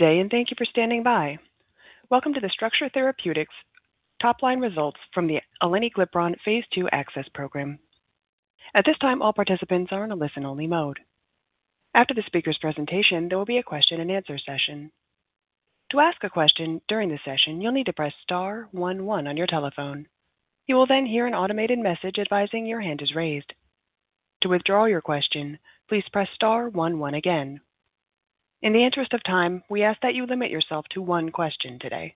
day and thank you for standing by. Welcome to the Structure Therapeutics top-line results from the Eleniglipron Phase 2 ACCESS Program. At this time, all participants are in a listen-only mode. After the speaker's presentation, there will be a question-and-answer session. To ask a question during the session, you'll need to press star 11 on your telephone. You will then hear an automated message advising your hand is raised. To withdraw your question, please press star 11 again. In the interest of time, we ask that you limit yourself to one question today.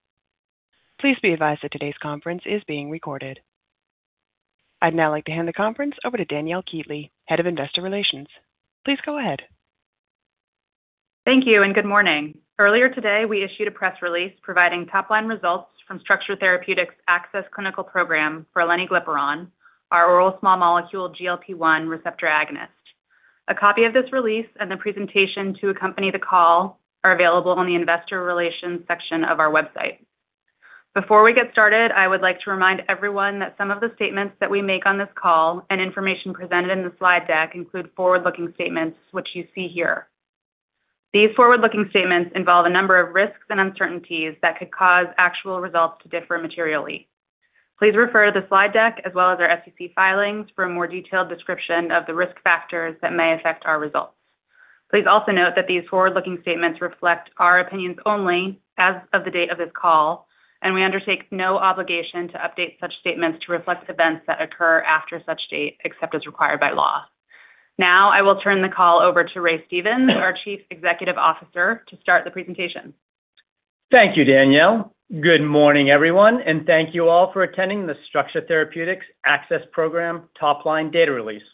Please be advised that today's conference is being recorded. I'd now like to hand the conference over to Danielle Keatley, Head of Investor Relations. Please go ahead. Thank you and good morning. Earlier today, we issued a press release providing top-line results from Structure Therapeutics' ACCESS clinical program for Eleniglipron, our oral small molecule GLP-1 receptor agonist. A copy of this release and the presentation to accompany the call are available on the Investor Relations section of our website. Before we get started, I would like to remind everyone that some of the statements that we make on this call and information presented in the slide deck include forward-looking statements, which you see here. These forward-looking statements involve a number of risks and uncertainties that could cause actual results to differ materially. Please refer to the slide deck as well as our SEC filings for a more detailed description of the risk factors that may affect our results. Please also note that these forward-looking statements reflect our opinions only as of the date of this call, and we undertake no obligation to update such statements to reflect events that occur after such date, except as required by law. Now, I will turn the call over to Raymond Stevens, our Chief Executive Officer, to start the presentation. Thank you, Danielle. Good morning, everyone, and thank you all for attending the Structure Therapeutics' ACCESS program top-line data release.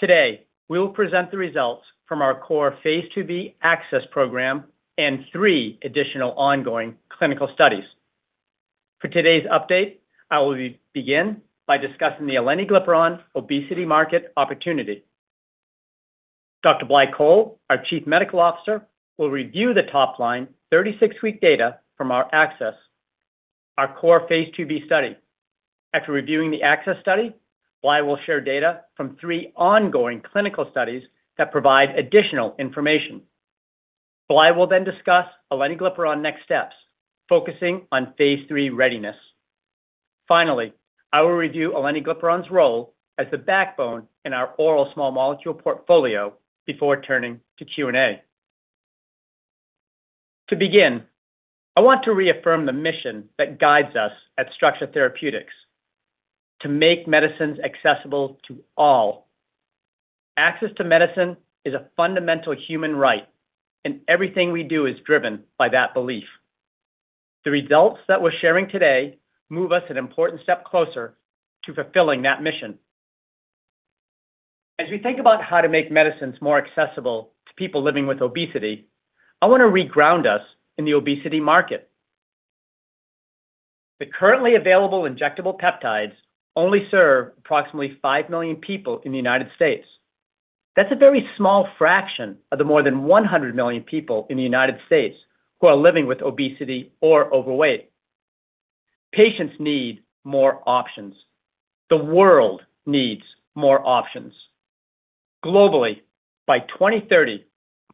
Today, we will present the results from our core Phase 2b ACCESS program and three additional ongoing clinical studies. For today's update, I will begin by discussing the Eleniglipron obesity market opportunity. Dr. Blai Coll, our Chief Medical Officer, will review the top-line 36-week data from our ACCESS, our core Phase 2b study. After reviewing the ACCESS study, Blai will share data from three ongoing clinical studies that provide additional information. Blai will then discuss Eleniglipron next steps, focusing on Phase 3 readiness. Finally, I will review Eleniglipron's role as the backbone in our oral small molecule portfolio before turning to Q&A. To begin, I want to reaffirm the mission that guides us at Structure Therapeutics: to make medicines accessible to all. ACCESS to medicine is a fundamental human right, and everything we do is driven by that belief. The results that we're sharing today move us an important step closer to fulfilling that mission. As we think about how to make medicines more accessible to people living with obesity, I want to reground us in the obesity market. The currently available injectable peptides only serve approximately five million people in the United States. That's a very small fraction of the more than 100 million people in the United States who are living with obesity or overweight. Patients need more options. The world needs more options. Globally, by 2030,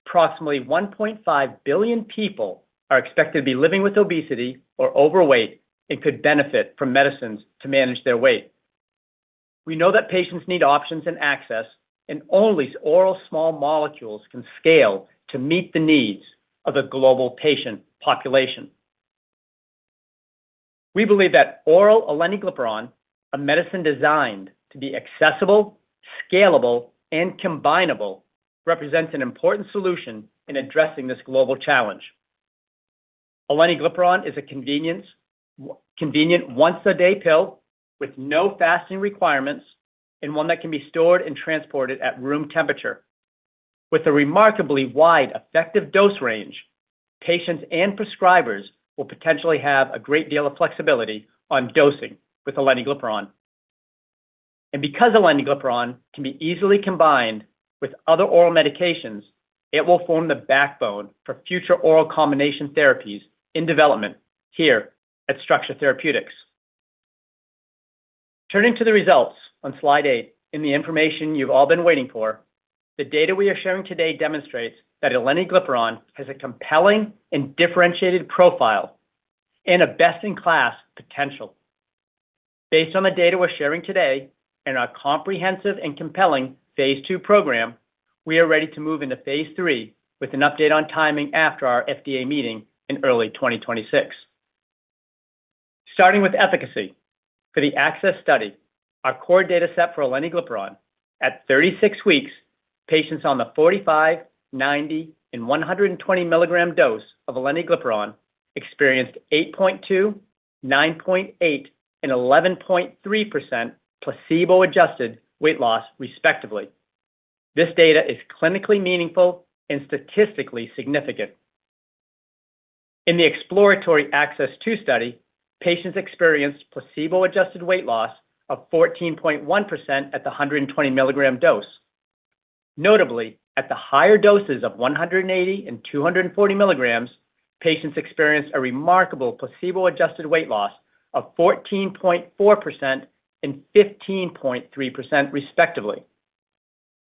approximately 1.5 billion people are expected to be living with obesity or overweight and could benefit from medicines to manage their weight. We know that patients need options and ACCESS, and only oral small molecules can scale to meet the needs of the global patient population. We believe that oral Eleniglipron, a medicine designed to be accessible, scalable, and combinable, represents an important solution in addressing this global challenge. Eleniglipron is a convenient once-a-day pill with no fasting requirements and one that can be stored and transported at room temperature. With a remarkably wide effective dose range, patients and prescribers will potentially have a great deal of flexibility on dosing with Eleniglipron, and because Eleniglipron can be easily combined with other oral medications, it will form the backbone for future oral combination therapies in development here at Structure Therapeutics. Turning to the results on Slide 8 and the information you've all been waiting for, the data we are sharing today demonstrates that Eleniglipron has a compelling and differentiated profile and a best-in-class potential. Based on the data we're sharing today and our comprehensive and compelling Phase 2 program, we are ready to move into Phase 3 with an update on timing after our FDA meeting in early 2026. Starting with efficacy, for the ACCESS study, our core data set for Eleniglipron, at 36 weeks, patients on the 45, 90, and 120 milligram dose of Eleniglipron experienced 8.2, 9.8, and 11.3% placebo-adjusted weight loss, respectively. This data is clinically meaningful and statistically significant. In the exploratory ACCESS 2 study, patients experienced placebo-adjusted weight loss of 14.1% at the 120 milligram dose. Notably, at the higher doses of 180 and 240 milligrams, patients experienced a remarkable placebo-adjusted weight loss of 14.4% and 15.3%, respectively.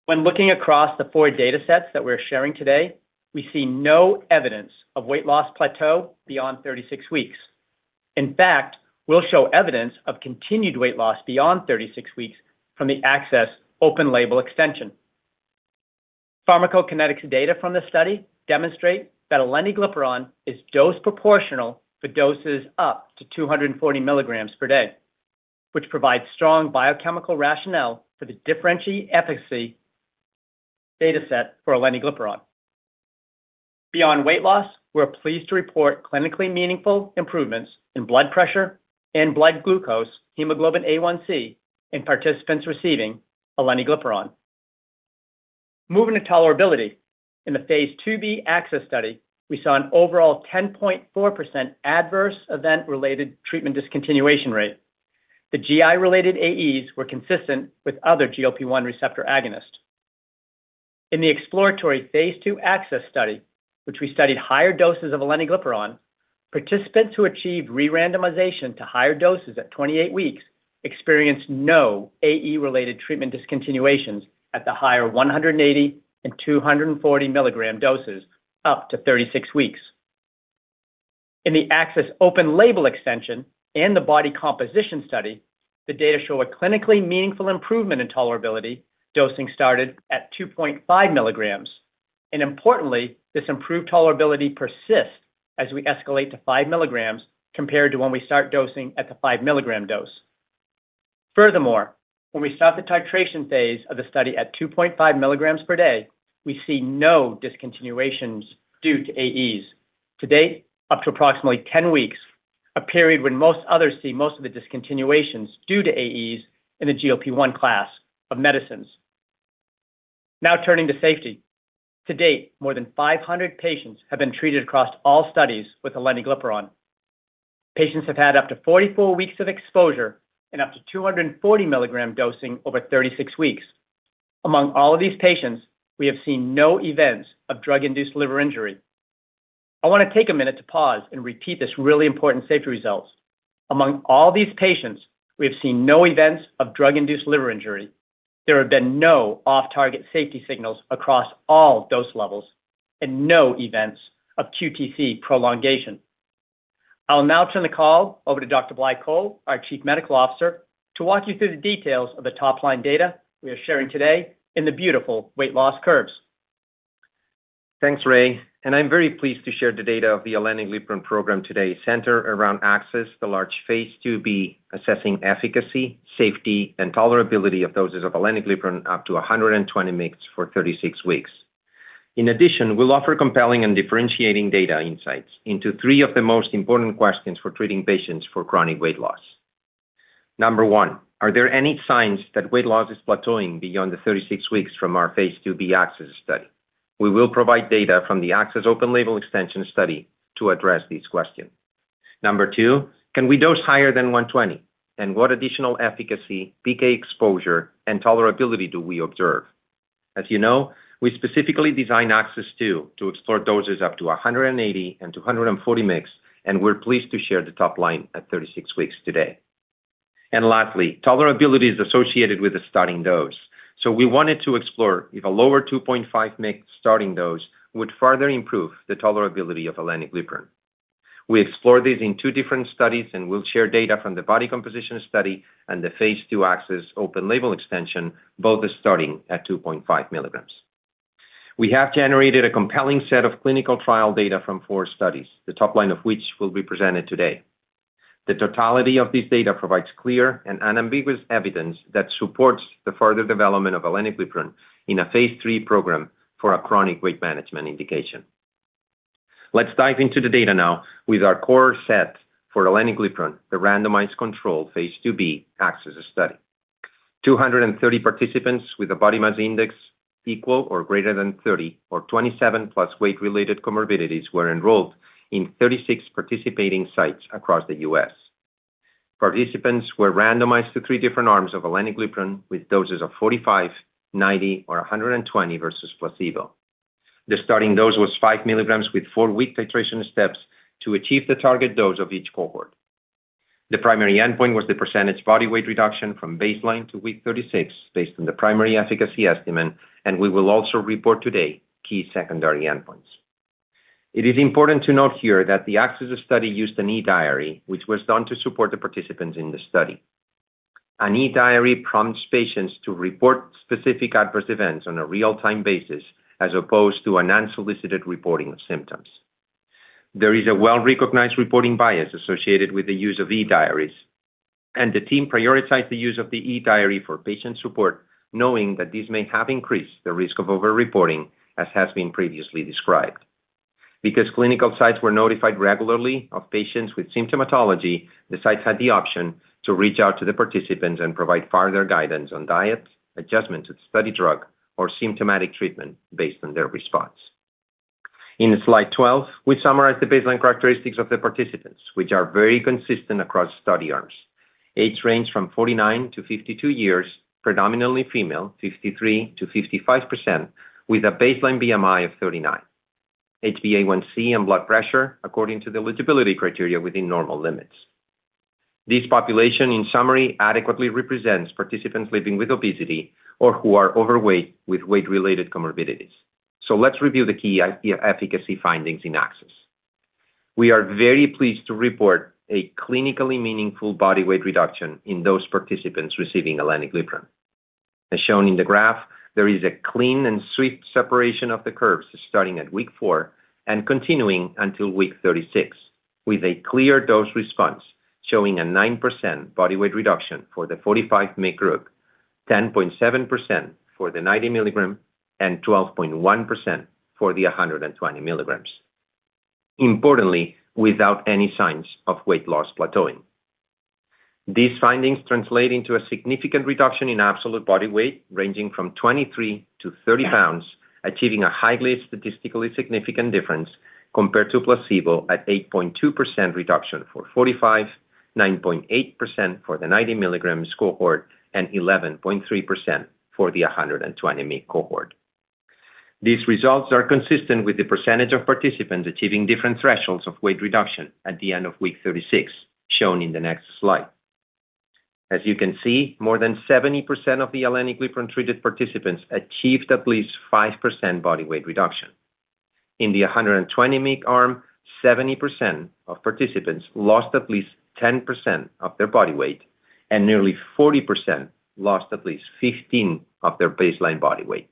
When looking across the four data sets that we're sharing today, we see no evidence of weight loss plateau beyond 36 weeks. In fact, we'll show evidence of continued weight loss beyond 36 weeks from the ACCESS open-label extension. Pharmacokinetics data from the study demonstrate that Eleniglipron is dose-proportional for doses up to 240 milligrams per day, which provides strong biochemical rationale for the differentiated efficacy data set for Eleniglipron. Beyond weight loss, we're pleased to report clinically meaningful improvements in blood pressure and blood glucose, hemoglobin A1c, in participants receiving Eleniglipron. Moving to tolerability, in the Phase 2b ACCESS study, we saw an overall 10.4% adverse event-related treatment discontinuation rate. The GI-related AEs were consistent with other GLP-1 receptor agonists. In the exploratory Phase 2 ACCESS study, which we studied higher doses of Eleniglipron, participants who achieved re-randomization to higher doses at 28 weeks experienced no AE-related treatment discontinuations at the higher 180 and 240 milligram doses up to 36 weeks. In the ACCESS open-label extension and the body composition study, the data show a clinically meaningful improvement in tolerability dosing started at 2.5 milligrams. And importantly, this improved tolerability persists as we escalate to 5 milligrams compared to when we start dosing at the 5 milligram dose. Furthermore, when we stop the titration phase of the study at 2.5 milligrams per day, we see no discontinuations due to AEs. To date, up to approximately 10 weeks, a period when most others see most of the discontinuations due to AEs in the GLP-1 class of medicines. Now, turning to safety. To date, more than 500 patients have been treated across all studies with Eleniglipron. Patients have had up to 44 weeks of exposure and up to 240 milligram dosing over 36 weeks. Among all of these patients, we have seen no events of drug-induced liver injury. I want to take a minute to pause and repeat this really important safety result. Among all these patients, we have seen no events of drug-induced liver injury. There have been no off-target safety signals across all dose levels and no events of QTc prolongation. I'll now turn the call over to Dr. Blai Coll, our Chief Medical Officer, to walk you through the details of the top-line data we are sharing today in the beautiful weight loss curves. Thanks, Ray, and I'm very pleased to share the data of the Eleniglipron program today centered around ACCESS, the large Phase 2b assessing efficacy, safety, and tolerability of doses of Eleniglipron up to 120 mg for 36 weeks. In addition, we'll offer compelling and differentiating data insights into three of the most important questions for treating patients for chronic weight loss. Number one, are there any signs that weight loss is plateauing beyond the 36 weeks from our Phase 2b ACCESS study? We will provide data from the ACCESS open-label extension study to address these questions. Number two, can we dose higher than 120? And what additional efficacy, PK exposure, and tolerability do we observe? As you know, we specifically designed ACCESS 2 to explore doses up to 180 and 240 mg, and we're pleased to share the top-line at 36 weeks today. Lastly, tolerability is associated with the starting dose. We wanted to explore if a lower 2.5 mg starting dose would further improve the tolerability of Eleniglipron. We explored this in two different studies, and we'll share data from the body composition study and the Phase 2 ACCESS open-label extension, both starting at 2.5 milligrams. We have generated a compelling set of clinical trial data from four studies, the top line of which will be presented today. The totality of this data provides clear and unambiguous evidence that supports the further development of Eleniglipron in a Phase 3 program for a chronic weight management indication. Let's dive into the data now with our core set for Eleniglipron, the randomized controlled Phase 2b ACCESS study. 230 participants with a body mass index equal or greater than 30 or 27 plus weight-related comorbidities were enrolled in 36 participating sites across the U.S. Participants were randomized to three different arms of Eleniglipron with doses of 45, 90, or 120 versus placebo. The starting dose was 5 milligrams with four week titration steps to achieve the target dose of each cohort. The primary endpoint was the percentage body weight reduction from baseline to week 36 based on the primary efficacy estimate, and we will also report today key secondary endpoints. It is important to note here that the ACCESS study used an eDiary, which was done to support the participants in the study. An eDiary prompts patients to report specific adverse events on a real-time basis as opposed to an unsolicited reporting of symptoms. There is a well-recognized reporting bias associated with the use of eDiaries, and the team prioritized the use of the eDiary for patient support, knowing that this may have increased the risk of overreporting, as has been previously described. Because clinical sites were notified regularly of patients with symptomatology, the sites had the option to reach out to the participants and provide further guidance on diet, adjustment to the study drug, or symptomatic treatment based on their response. In Slide 12, we summarize the baseline characteristics of the participants, which are very consistent across study arms. Age range from 49 to 52 years, predominantly female, 53%-55%, with a baseline BMI of 39. HbA1c and blood pressure, according to the eligibility criteria, within normal limits. This population, in summary, adequately represents participants living with obesity or who are overweight with weight-related comorbidities. So let's review the key efficacy findings in ACCESS. We are very pleased to report a clinically meaningful body weight reduction in those participants receiving Eleniglipron. As shown in the graph, there is a clean and swift separation of the curves starting at week 4 and continuing until week 36, with a clear dose response showing a 9% body weight reduction for the 45 milligram, 10.7% for the 90 milligram, and 12.1% for the 120 milligrams. Importantly, without any signs of weight loss plateauing. These findings translate into a significant reduction in absolute body weight ranging from 23 to 30 pounds, achieving a highly statistically significant difference compared to placebo at 8.2% reduction for 45, 9.8% for the 90 milligram cohort, and 11.3% for the 120 milligram cohort. These results are consistent with the percentage of participants achieving different thresholds of weight reduction at the end of week 36, shown in the next slide. As you can see, more than 70% of the Eleniglipron-treated participants achieved at least 5% body weight reduction. In the 120 mg arm, 70% of participants lost at least 10% of their body weight, and nearly 40% lost at least 15% of their baseline body weight.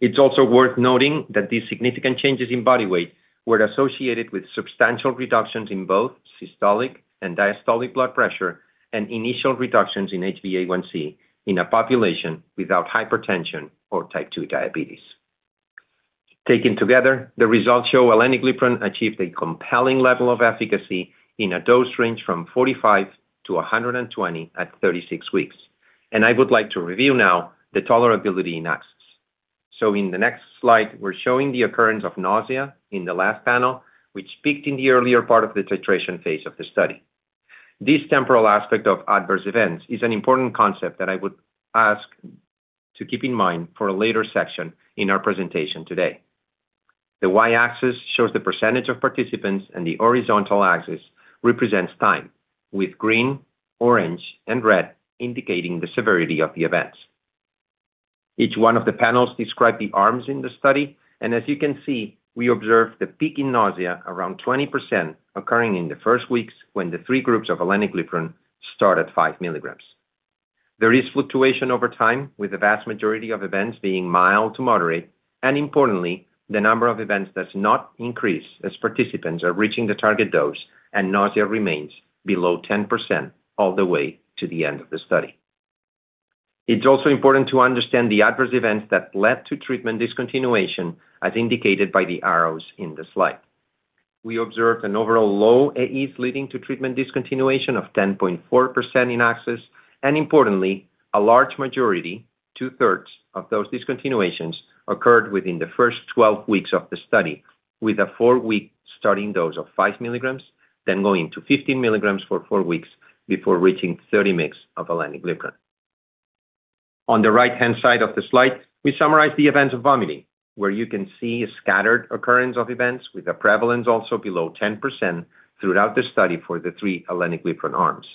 It's also worth noting that these significant changes in body weight were associated with substantial reductions in both systolic and diastolic blood pressure and initial reductions in HbA1c in a population without hypertension or type 2 diabetes. Taken together, the results show Eleniglipron achieved a compelling level of efficacy in a dose range from 45 to 120 at 36 weeks. I would like to review now the tolerability in ACCESS. In the next slide, we're showing the occurrence of nausea in the last panel, which peaked in the earlier part of the titration phase of the study. This temporal aspect of adverse events is an important concept that I would ask to keep in mind for a later section in our presentation today. The Y-axis shows the percentage of participants, and the horizontal axis represents time, with green, orange, and red indicating the severity of the events. Each one of the panels described the arms in the study, and as you can see, we observed the peak in nausea around 20% occurring in the first weeks when the three groups of Eleniglipron start at five milligrams. There is fluctuation over time, with the vast majority of events being mild to moderate. Importantly, the number of events does not increase as participants are reaching the target dose, and nausea remains below 10% all the way to the end of the study. It's also important to understand the adverse events that led to treatment discontinuation, as indicated by the arrows in the slide. We observed an overall low AEs leading to treatment discontinuation of 10.4% in ACCESS. Importantly, a large majority, two-thirds of those discontinuations occurred within the first 12 weeks of the study, with a four-week starting dose of 5 milligrams, then going to 15 milligrams for four weeks before reaching 30 mg of Eleniglipron. On the right-hand side of the slide, we summarize the events of vomiting, where you can see a scattered occurrence of events with a prevalence also below 10% throughout the study for the three Eleniglipron arms.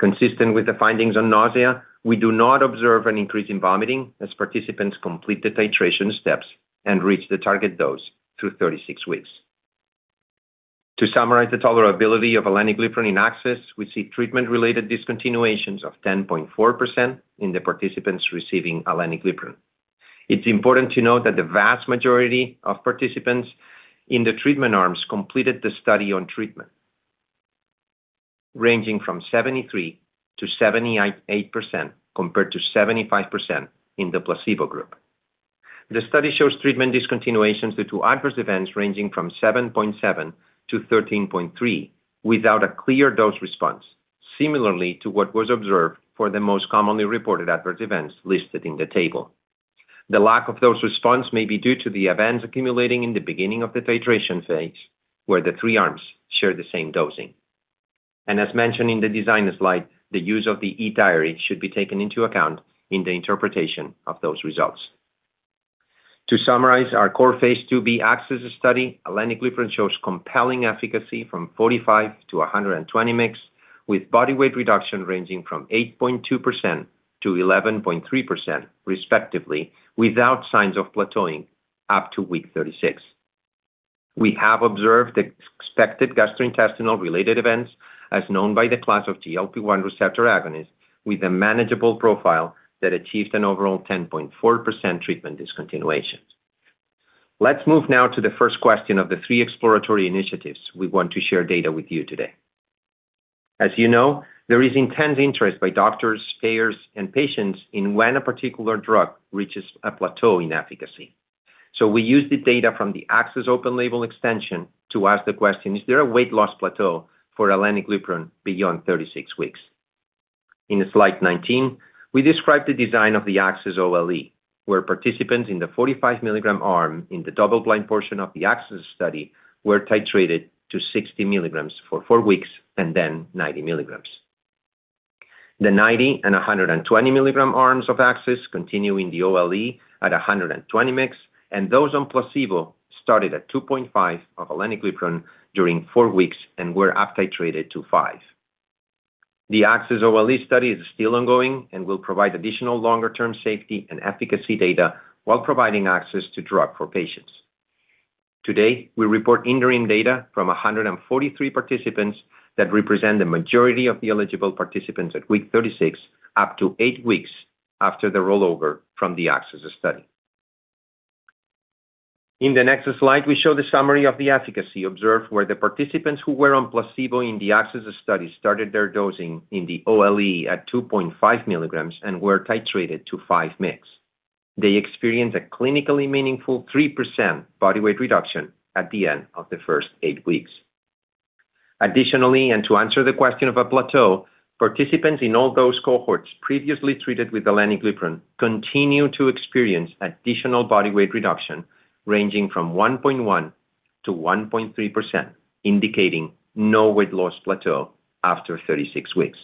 Consistent with the findings on nausea, we do not observe an increase in vomiting as participants complete the titration steps and reach the target dose through 36 weeks. To summarize the tolerability of Eleniglipron in ACCESS, we see treatment-related discontinuations of 10.4% in the participants receiving Eleniglipron. It's important to note that the vast majority of participants in the treatment arms completed the study on treatment, ranging from 73%-78% compared to 75% in the placebo group. The study shows treatment discontinuations due to adverse events ranging from 7.7%-13.3% without a clear dose response, similarly to what was observed for the most commonly reported adverse events listed in the table. The lack of dose response may be due to the events accumulating in the beginning of the titration phase, where the three arms share the same dosing. As mentioned in the design slide, the use of the eDiary should be taken into account in the interpretation of those results. To summarize our core Phase 2b ACCESS study, Eleniglipron shows compelling efficacy from 45 to 120 mg, with body weight reduction ranging from 8.2%-11.3%, respectively, without signs of plateauing up to week 36. We have observed the expected gastrointestinal-related events, as known by the class of GLP-1 receptor agonists, with a manageable profile that achieved an overall 10.4% treatment discontinuation. Let's move now to the first question of the three exploratory initiatives we want to share data with you today. As you know, there is intense interest by doctors, payers, and patients in when a particular drug reaches a plateau in efficacy. So we use the data from the ACCESS open-label extension to ask the question, is there a weight loss plateau for Eleniglipron beyond 36 weeks? In Slide 19, we describe the design of the ACCESS OLE, where participants in the 45 milligram arm in the double-blind portion of the ACCESS study were titrated to 60 milligrams for four weeks and then 90 milligrams. The 90 and 120 milligram arms of ACCESS continue in the OLE at 120 mg, and those on placebo started at 2.5 mg of Eleniglipron during four weeks and were up-titrated to 5 mg. The ACCESS OLE study is still ongoing and will provide additional longer-term safety and efficacy data while providing ACCESS to drug for patients. Today, we report interim data from 143 participants that represent the majority of the eligible participants at week 36, up to eight weeks after the rollover from the ACCESS study. In the next slide, we show the summary of the efficacy observed where the participants who were on placebo in the ACCESS study started their dosing in the OLE at 2.5 milligrams and were titrated to 5 milligrams. They experienced a clinically meaningful 3% body weight reduction at the end of the first eight weeks. Additionally, and to answer the question of a plateau, participants in all those cohorts previously treated with Eleniglipron continue to experience additional body weight reduction ranging from 1.1 to 1.3%, indicating no weight loss plateau after 36 weeks.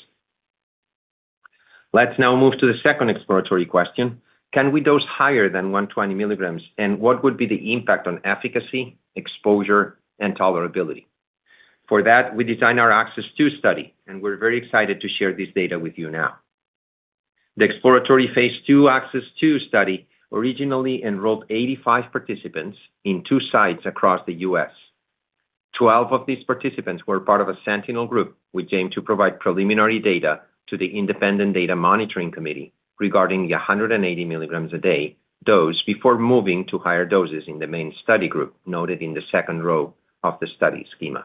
Let's now move to the second exploratory question. Can we dose higher than 120 milligrams, and what would be the impact on efficacy, exposure, and tolerability? For that, we designed our ACCESS 2 study, and we're very excited to share this data with you now. The exploratory Phase 2 ACCESS 2 study originally enrolled 85 participants in two sites across the U.S. 12 of these participants were part of a Sentinel group, which aimed to provide preliminary data to the Independent Data Monitoring Committee regarding the 180 milligrams a day dose before moving to higher doses in the main study group noted in the second row of the study schema.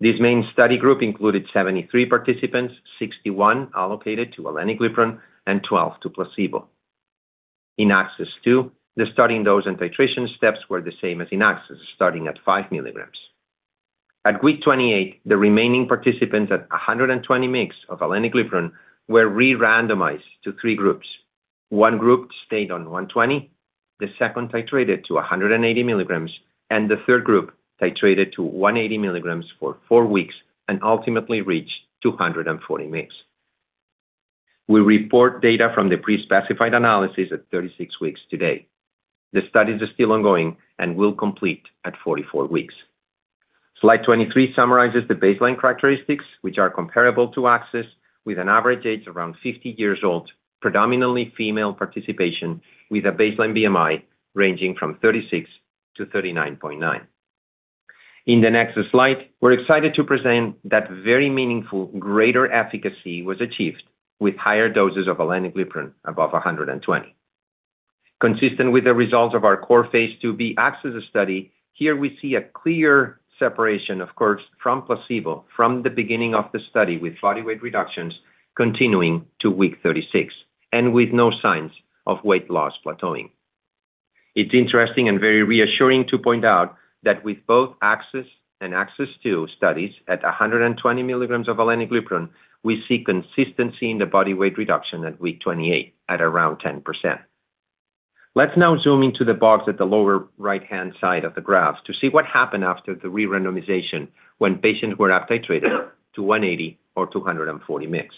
This main study group included 73 participants, 61 allocated to Eleniglipron, and 12 to placebo. In ACCESS 2, the starting dose and titration steps were the same as in ACCESS, starting at 5 milligrams. At week 28, the remaining participants at 120 mg of Eleniglipron were re-randomized to three groups. One group stayed on 120, the second titrated to 180 milligrams, and the third group titrated to 180 milligrams for four weeks and ultimately reached 240 mg. We report data from the pre-specified analysis at 36 weeks today. The study is still ongoing and will complete at 44 weeks. Slide 23 summarizes the baseline characteristics, which are comparable to ACCESS, with an average age around 50 years old, predominantly female participation, with a baseline BMI ranging from 36 to 39.9. In the next slide, we're excited to present that very meaningful greater efficacy was achieved with higher doses of Eleniglipron above 120. Consistent with the results of our core Phase 2b ACCESS study, here we see a clear separation, of course, from placebo from the beginning of the study with body weight reductions continuing to week 36 and with no signs of weight loss plateauing. It's interesting and very reassuring to point out that with both ACCESS and ACCESS 2 studies at 120 milligrams of Eleniglipron, we see consistency in the body weight reduction at week 28 at around 10%. Let's now zoom into the box at the lower right-hand side of the graph to see what happened after the re-randomization when patients were up-titrated to 180 or 240 mg.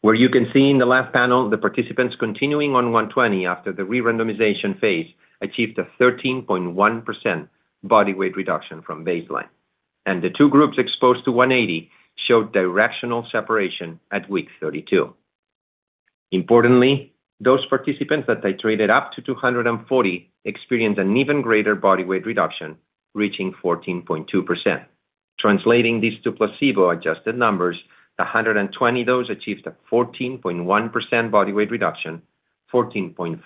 Where you can see in the left panel, the participants continuing on 120 after the re-randomization phase achieved a 13.1% body weight reduction from baseline, and the two groups exposed to 180 showed directional separation at week 32. Importantly, those participants that titrated up to 240 experienced an even greater body weight reduction reaching 14.2%. Translating these to placebo-adjusted numbers, the 120 dose achieved a 14.1% body weight reduction, 14.4%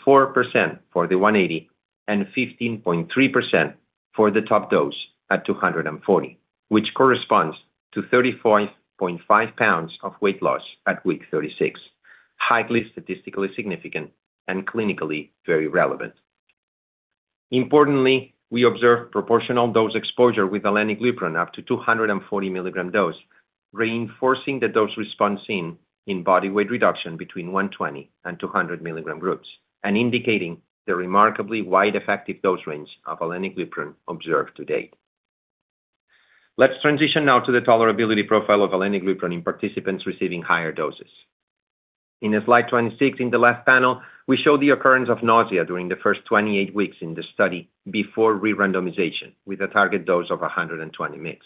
for the 180, and 15.3% for the top dose at 240, which corresponds to 35.5 pounds of weight loss at week 36, highly statistically significant and clinically very relevant. Importantly, we observed proportional dose exposure with Eleniglipron up to 240 milligram dose, reinforcing the dose response in body weight reduction between 120 and 200 milligram groups, and indicating the remarkably wide effective dose range of Eleniglipron observed to date. Let's transition now to the tolerability profile of Eleniglipron in participants receiving higher doses. In Slide 26, in the left panel, we show the occurrence of nausea during the first 28 weeks in the study before re-randomization with a target dose of 120 mg.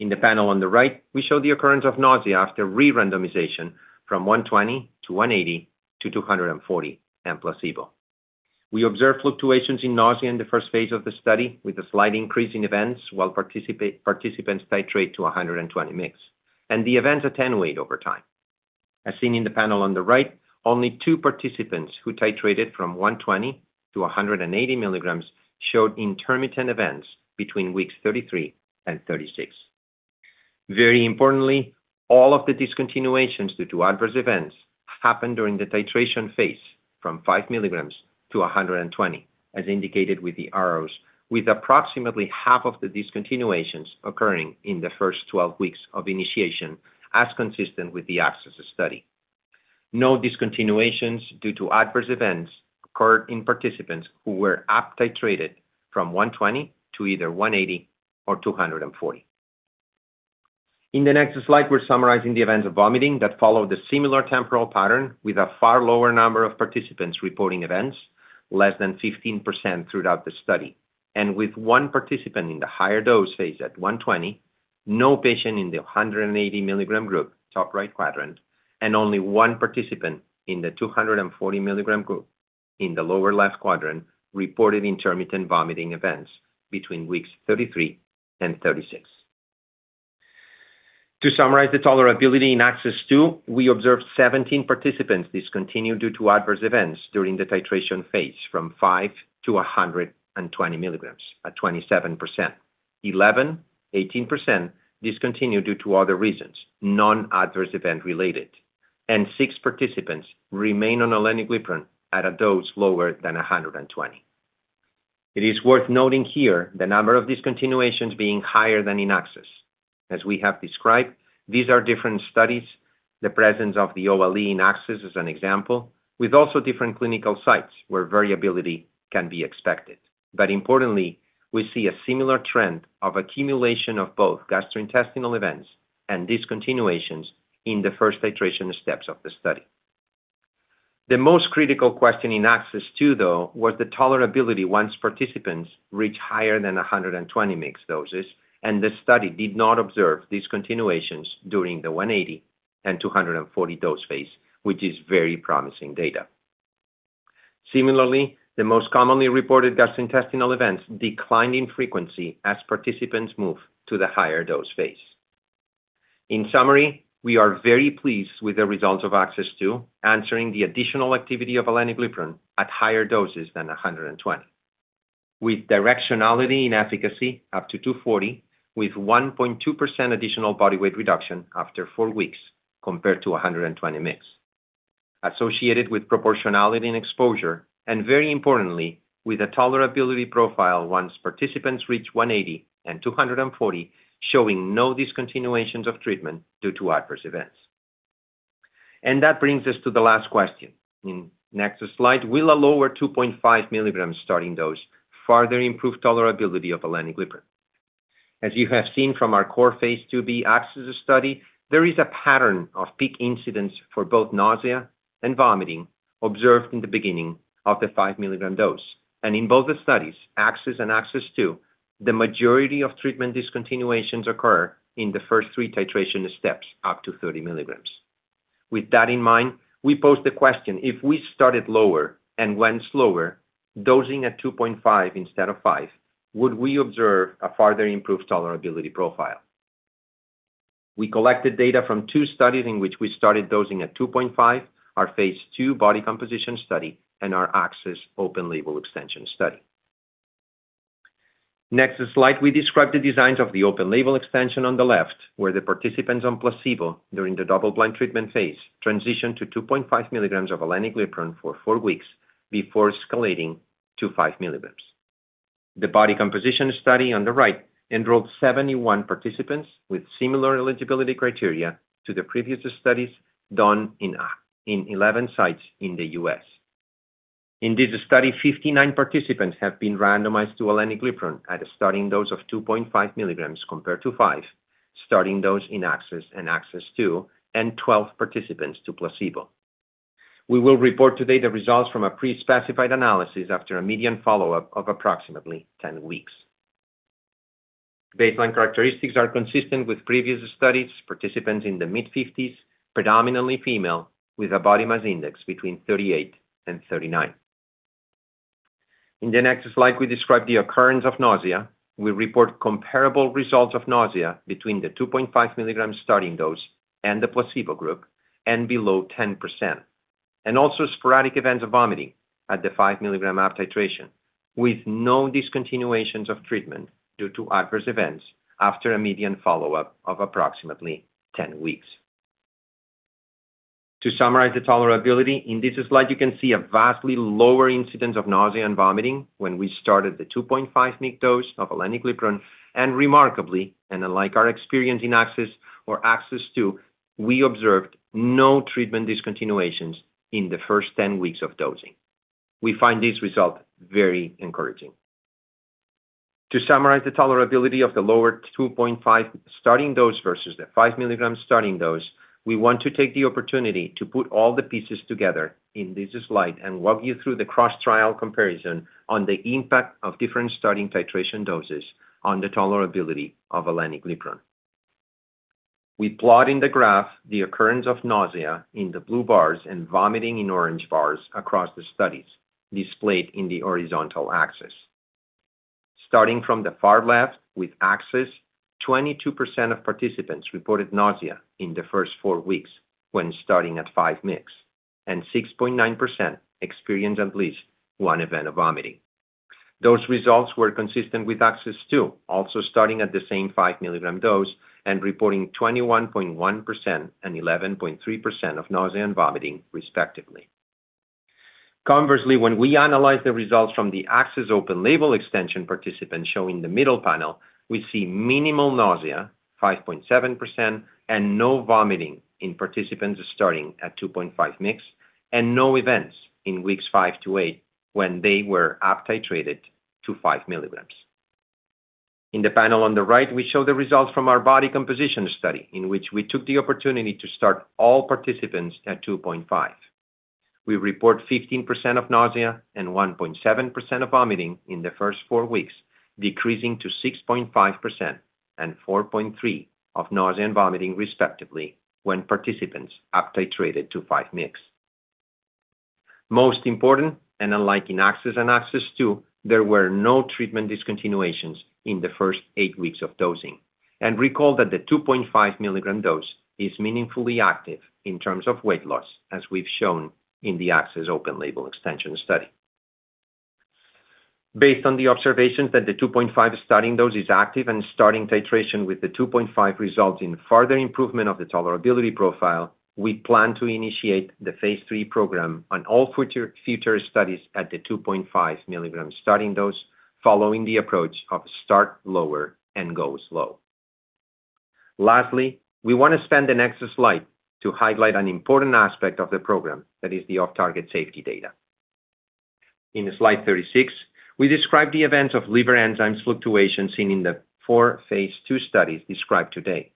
In the panel on the right, we show the occurrence of nausea after re-randomization from 120 to 180 to 240 and placebo. We observed fluctuations in nausea in the first phase of the study with a slight increase in events while participants titrate to 120 mg, and the events attenuate over time. As seen in the panel on the right, only two participants who titrated from 120 to 180 milligrams showed intermittent events between weeks 33 and 36. Very importantly, all of the discontinuations due to adverse events happened during the titration phase from 5 milligrams to 120, as indicated with the arrows, with approximately half of the discontinuations occurring in the first 12 weeks of initiation, as consistent with the ACCESS study. No discontinuations due to adverse events occurred in participants who were up-titrated from 120 to either 180 or 240. In the next slide, we're summarizing the events of vomiting that followed a similar temporal pattern with a far lower number of participants reporting events, less than 15% throughout the study. With one participant in the higher dose phase at 120, no patient in the 180 milligram group, top right quadrant, and only one participant in the 240 milligram group in the lower left quadrant reported intermittent vomiting events between weeks 33 and 36. To summarize the tolerability in ACCESS 2, we observed 17 participants discontinued due to adverse events during the titration phase from 5 to 120 milligrams, at 27%. 11, 18% discontinued due to other reasons, non-adverse event related. Six participants remain on Eleniglipron at a dose lower than 120. It is worth noting here the number of discontinuations being higher than in ACCESS. As we have described, these are different studies. The presence of the OLE in ACCESS is an example, with also different clinical sites where variability can be expected. But importantly, we see a similar trend of accumulation of both gastrointestinal events and discontinuations in the first titration steps of the study. The most critical question in ACCESS 2, though, was the tolerability once participants reached higher than 120 mg doses, and the study did not observe discontinuations during the 180- and 240-mg dose phase, which is very promising data. Similarly, the most commonly reported gastrointestinal events declined in frequency as participants moved to the higher dose phase. In summary, we are very pleased with the results of ACCESS 2, answering the additional activity of Eleniglipron at higher doses than 120 mg, with directionality in efficacy up to 240 mg, with 1.2% additional body weight reduction after four weeks compared to 120 mg, associated with proportionality in exposure, and very importantly, with a tolerability profile once participants reached 180 mg and 240 mg, showing no discontinuations of treatment due to adverse events. And that brings us to the last question. In next slide, will a lower 2.5 milligram starting dose further improve tolerability of Eleniglipron? As you have seen from our core Phase 2b ACCESS study, there is a pattern of peak incidence for both nausea and vomiting observed in the beginning of the 5 milligram dose. In both the studies, ACCESS and ACCESS 2, the majority of treatment discontinuations occur in the first three titration steps up to 30 milligrams. With that in mind, we pose the question, if we started lower and went slower, dosing at 2.5 instead of 5, would we observe a further improved tolerability profile? We collected data from two studies in which we started dosing at 2.5, our Phase 2 body composition study and our ACCESS open-label extension study. Next slide, we describe the designs of the open-label extension on the left, where the participants on placebo during the double-blind treatment phase transitioned to 2.5 milligrams of Eleniglipron for four weeks before escalating to 5 milligrams. The body composition study on the right enrolled 71 participants with similar eligibility criteria to the previous studies done in 11 sites in the U.S. In this study, 59 participants have been randomized to Eleniglipron at a starting dose of 2.5 milligrams compared to 5 starting dose in ACCESS and ACCESS 2, and 12 participants to placebo. We will report today the results from a pre-specified analysis after a median follow-up of approximately 10 weeks. Baseline characteristics are consistent with previous studies. Participants in the mid-50s, predominantly female, with a body mass index between 38 and 39. In the next slide, we describe the occurrence of nausea. We report comparable results of nausea between the 2.5 milligram starting dose and the placebo group and below 10%, and also sporadic events of vomiting at the 5 milligram up titration, with no discontinuations of treatment due to adverse events after a median follow-up of approximately 10 weeks. To summarize the tolerability, in this slide, you can see a vastly lower incidence of nausea and vomiting when we started the 2.5 mg dose of Eleniglipron. Remarkably, and unlike our experience in ACCESS or ACCESS 2, we observed no treatment discontinuations in the first 10 weeks of dosing. We find this result very encouraging. To summarize the tolerability of the lower 2.5 starting dose versus the 5 mg starting dose, we want to take the opportunity to put all the pieces together in this slide and walk you through the cross-trial comparison on the impact of different starting titration doses on the tolerability of Eleniglipron. We plot in the graph the occurrence of nausea in the blue bars and vomiting in orange bars across the studies displayed in the horizontal axis. Starting from the far left with ACCESS, 22% of participants reported nausea in the first four weeks when starting at 5 mg, and 6.9% experienced at least one event of vomiting. Those results were consistent with ACCESS 2, also starting at the same 5 milligram dose and reporting 21.1% and 11.3% of nausea and vomiting, respectively. Conversely, when we analyze the results from the ACCESS open-label extension participant showing the middle panel, we see minimal nausea, 5.7%, and no vomiting in participants starting at 2.5 mg, and no events in weeks 5 to 8 when they were up-titrated to 5 milligrams. In the panel on the right, we show the results from our body composition study in which we took the opportunity to start all participants at 2.5 mg. We report 15% of nausea and 1.7% of vomiting in the first four weeks, decreasing to 6.5% and 4.3% of nausea and vomiting, respectively, when participants up-titrated to 5 mg. Most important, and unlike in ACCESS and ACCESS 2, there were no treatment discontinuations in the first eight weeks of dosing, and recall that the 2.5 milligram dose is meaningfully active in terms of weight loss, as we've shown in the ACCESS open-label extension study. Based on the observations that the 2.5 starting dose is active and starting titration with the 2.5 results in further improvement of the tolerability profile, we plan to initiate the Phase 3 program on all future studies at the 2.5 milligram starting dose, following the approach of start low and go slow. Lastly, we want to turn to the next slide to highlight an important aspect of the program that is the off-target safety data. In Slide 36, we describe the events of liver enzymes fluctuations seen in the four Phase 2 studies described today.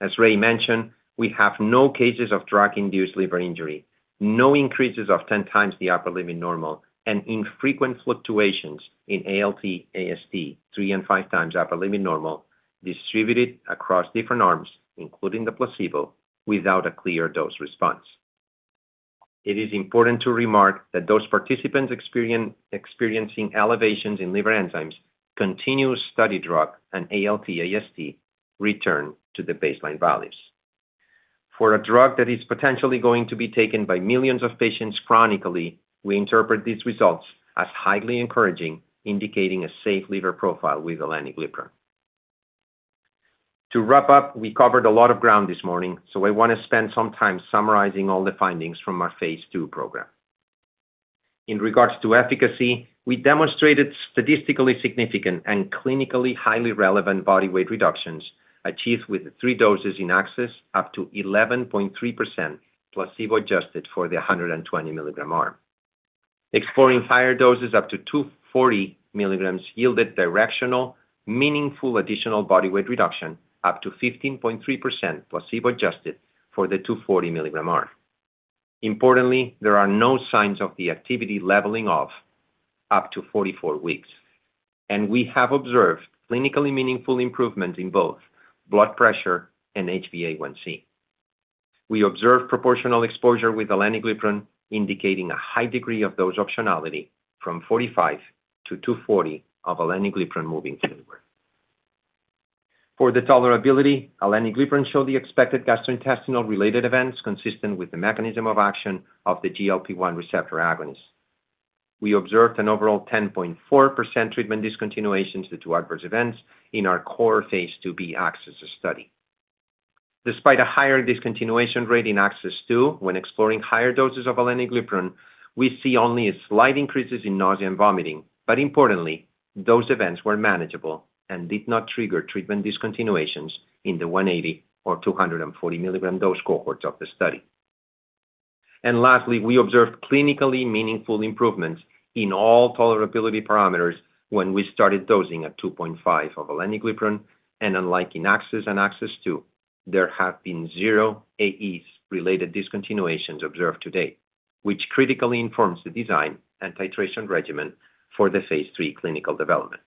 As Ray mentioned, we have no cases of drug-induced liver injury, no increases of 10 times the upper limit normal, and infrequent fluctuations in ALT, AST, three and five times upper limit normal distributed across different arms, including the placebo, without a clear dose response. It is important to remark that those participants experiencing elevations in liver enzymes continued study drug, and ALT, AST return to the baseline values. For a drug that is potentially going to be taken by millions of patients chronically, we interpret these results as highly encouraging, indicating a safe liver profile with Eleniglipron. To wrap up, we covered a lot of ground this morning, so I want to spend some time summarizing all the findings from our Phase 2 program. In regards to efficacy, we demonstrated statistically significant and clinically highly relevant body weight reductions achieved with three doses in ACCESS up to 11.3% placebo-adjusted for the 120 milligram arm. Exploring higher doses up to 240 milligrams yielded directional, meaningful additional body weight reduction up to 15.3% placebo-adjusted for the 240 milligram arm. Importantly, there are no signs of the activity leveling off up to 44 weeks, and we have observed clinically meaningful improvement in both blood pressure and HbA1c. We observed proportional exposure with Eleniglipron, indicating a high degree of dose optionality from 45 to 240 of Eleniglipron moving forward. For the tolerability, Eleniglipron showed the expected gastrointestinal-related events consistent with the mechanism of action of the GLP-1 receptor agonist. We observed an overall 10.4% treatment discontinuations due to adverse events in our core Phase 2b ACCESS study. Despite a higher discontinuation rate in ACCESS 2, when exploring higher doses of Eleniglipron, we see only slight increases in nausea and vomiting, but importantly, those events were manageable and did not trigger treatment discontinuations in the 180 or 240 milligram dose cohorts of the study. Lastly, we observed clinically meaningful improvements in all tolerability parameters when we started dosing at 2.5 of Eleniglipron, and unlike in ACCESS and ACCESS 2, there have been zero AEs-related discontinuations observed today, which critically informs the design and titration regimen for the Phase 3 clinical development.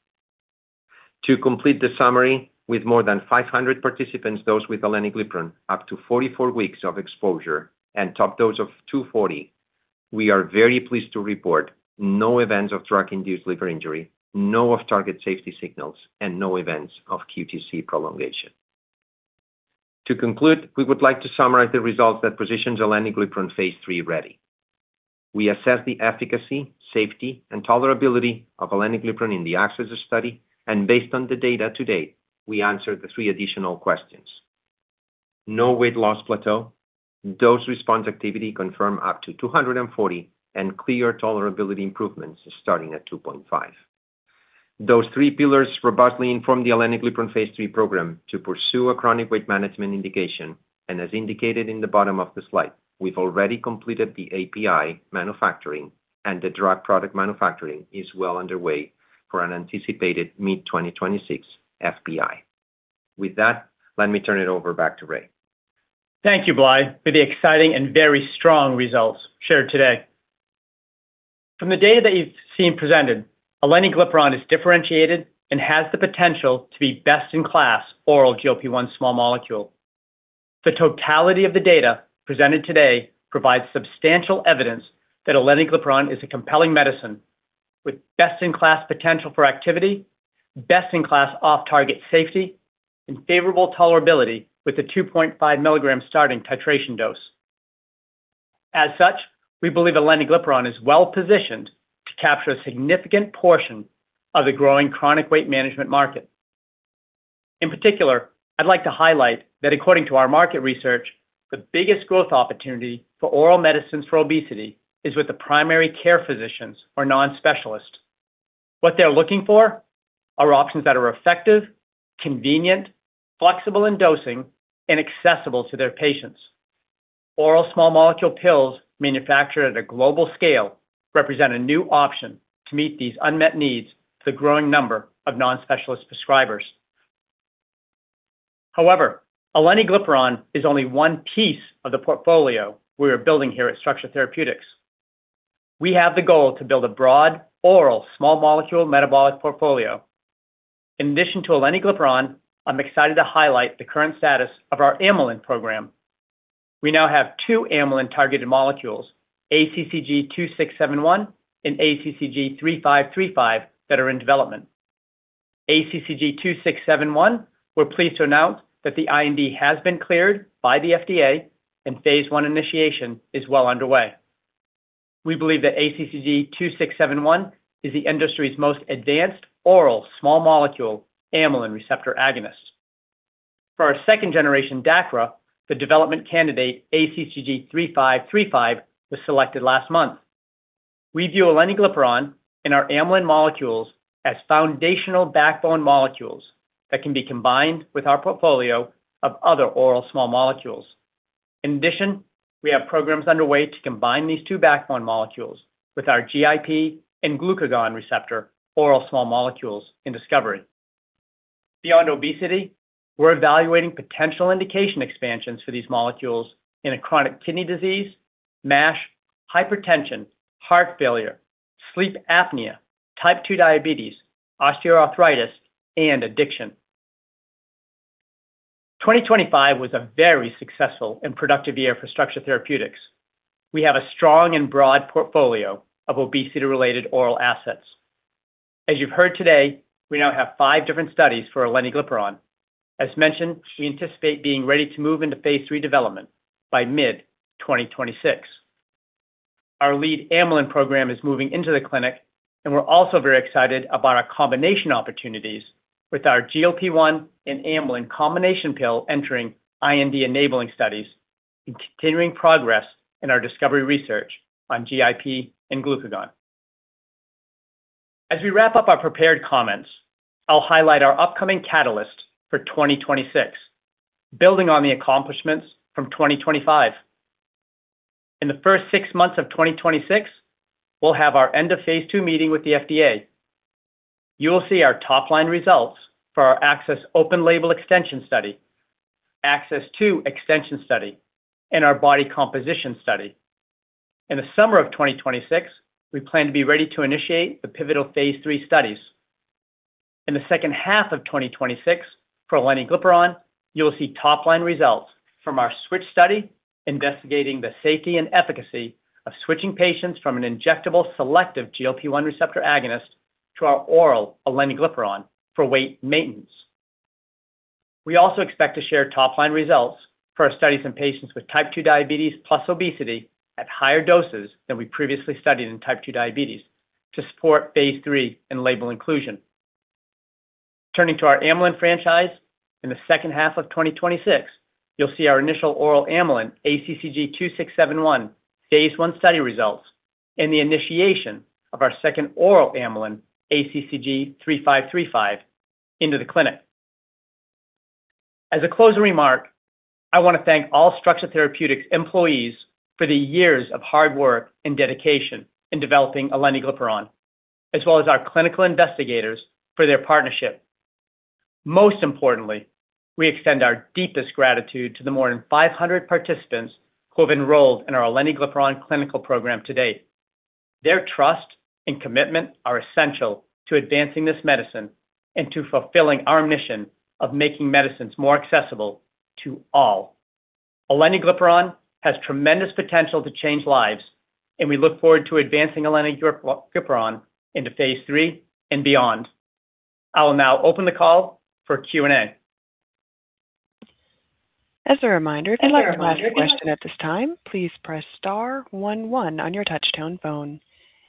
To complete the summary, with more than 500 participants dosed with Eleniglipron up to 44 weeks of exposure and top dose of 240, we are very pleased to report no events of drug-induced liver injury, no off-target safety signals, and no events of QTc prolongation. To conclude, we would like to summarize the results that position Eleniglipron Phase 3 ready. We assessed the efficacy, safety, and tolerability of Eleniglipron in the ACCESS study, and based on the data to date, we answered the three additional questions. No weight loss plateau, dose response activity confirmed up to 240, and clear tolerability improvements starting at 2.5. Those three pillars robustly inform the Eleniglipron Phase 3 program to pursue a chronic weight management indication, and as indicated in the bottom of the slide, we've already completed the API manufacturing, and the drug product manufacturing is well underway for an anticipated mid-2026 FPI. With that, let me turn it over back to Ray. Thank you, Blai, for the exciting and very strong results shared today. From the data that you've seen presented, Eleniglipron is differentiated and has the potential to be best-in-class oral GLP-1 small molecule. The totality of the data presented today provides substantial evidence that Eleniglipron is a compelling medicine with best-in-class potential for activity, best-in-class off-target safety, and favorable tolerability with the 2.5 milligram starting titration dose. As such, we believe Eleniglipron is well positioned to capture a significant portion of the growing chronic weight management market. In particular, I'd like to highlight that according to our market research, the biggest growth opportunity for oral medicines for obesity is with the primary care physicians or non-specialists. What they're looking for are options that are effective, convenient, flexible in dosing, and accessible to their patients. Oral small molecule pills manufactured at a global scale represent a new option to meet these unmet needs for the growing number of non-specialist prescribers. However, Eleniglipron is only one piece of the portfolio we are building here at Structure Therapeutics. We have the goal to build a broad oral small molecule metabolic portfolio. In addition to Eleniglipron, I'm excited to highlight the current status of our amylin program. We now have two amylin-targeted molecules, ACCG2671 and ACCG3535, that are in development. ACCG2671, we're pleased to announce that the IND has been cleared by the FDA, and Phase 1 initiation is well underway. We believe that ACCG2671 is the industry's most advanced oral small molecule amylin receptor agonist. For our second-generation DACRA, the development candidate ACCG3535 was selected last month. We view Eleniglipron and our amylin molecules as foundational backbone molecules that can be combined with our portfolio of other oral small molecules. In addition, we have programs underway to combine these two backbone molecules with our GIP and glucagon receptor oral small molecules in discovery. Beyond obesity, we're evaluating potential indication expansions for these molecules in chronic kidney disease, MASH, hypertension, heart failure, sleep apnea, type 2 diabetes, osteoarthritis, and addiction. 2025 was a very successful and productive year for Structure Therapeutics. We have a strong and broad portfolio of obesity-related oral assets. As you've heard today, we now have five different studies for Eleniglipron. As mentioned, we anticipate being ready to move into Phase 3 development by mid-2026. Our lead amylin program is moving into the clinic, and we're also very excited about our combination opportunities with our GLP-1 and amylin combination pill entering IND enabling studies and continuing progress in our discovery research on GIP and glucagon. As we wrap up our prepared comments, I'll highlight our upcoming catalyst for 2026, building on the accomplishments from 2025. In the first six months of 2026, we'll have our end of Phase 2 meeting with the FDA. You will see our top-line results for our ACCESS open-label extension study, ACCESS 2 extension study, and our body composition study. In the summer of 2026, we plan to be ready to initiate the pivotal Phase 3 studies. In the second half of 2026 for Eleniglipron, you'll see top-line results from our switch study investigating the safety and efficacy of switching patients from an injectable selective GLP-1 receptor agonist to our oral Eleniglipron for weight maintenance. We also expect to share top-line results for our studies in patients with type 2 diabetes plus obesity at higher doses than we previously studied in type 2 diabetes to support Phase 3 and label inclusion. Turning to our amylin franchise, in the second half of 2026, you'll see our initial oral amylin ACCG2671 Phase 1 study results and the initiation of our second oral amylin ACCG3535 into the clinic. As a closing remark, I want to thank all Structure Therapeutics employees for the years of hard work and dedication in developing Eleniglipron, as well as our clinical investigators for their partnership. Most importantly, we extend our deepest gratitude to the more than 500 participants who have enrolled in our Eleniglipron clinical program to date. Their trust and commitment are essential to advancing this medicine and to fulfilling our mission of making medicines more accessible to all. Eleniglipron has tremendous potential to change lives, and we look forward to advancing Eleniglipron into Phase 3 and beyond. I will now open the call for Q&A. As a reminder, for your last question at this time, please press star 11 on your touch-tone phone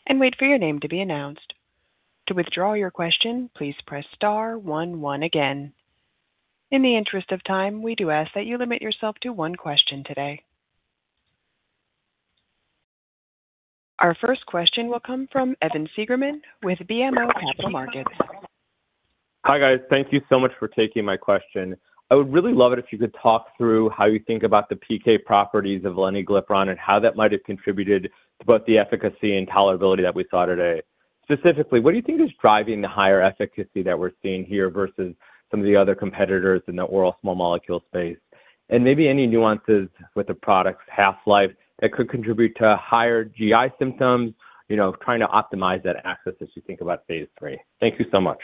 and wait for your name to be announced. To withdraw your question, please press star 11 again. In the interest of time, we do ask that you limit yourself to one question today. Our first question will come from Evan Seigerman with BMO Capital Markets. Hi guys, thank you so much for taking my question. I would really love it if you could talk through how you think about the PK properties of Eleniglipron and how that might have contributed to both the efficacy and tolerability that we saw today. Specifically, what do you think is driving the higher efficacy that we're seeing here versus some of the other competitors in the oral small molecule space? And maybe any nuances with the product's half-life that could contribute to higher GI symptoms, you know, trying to optimize that aspect as you think about Phase 3. Thank you so much.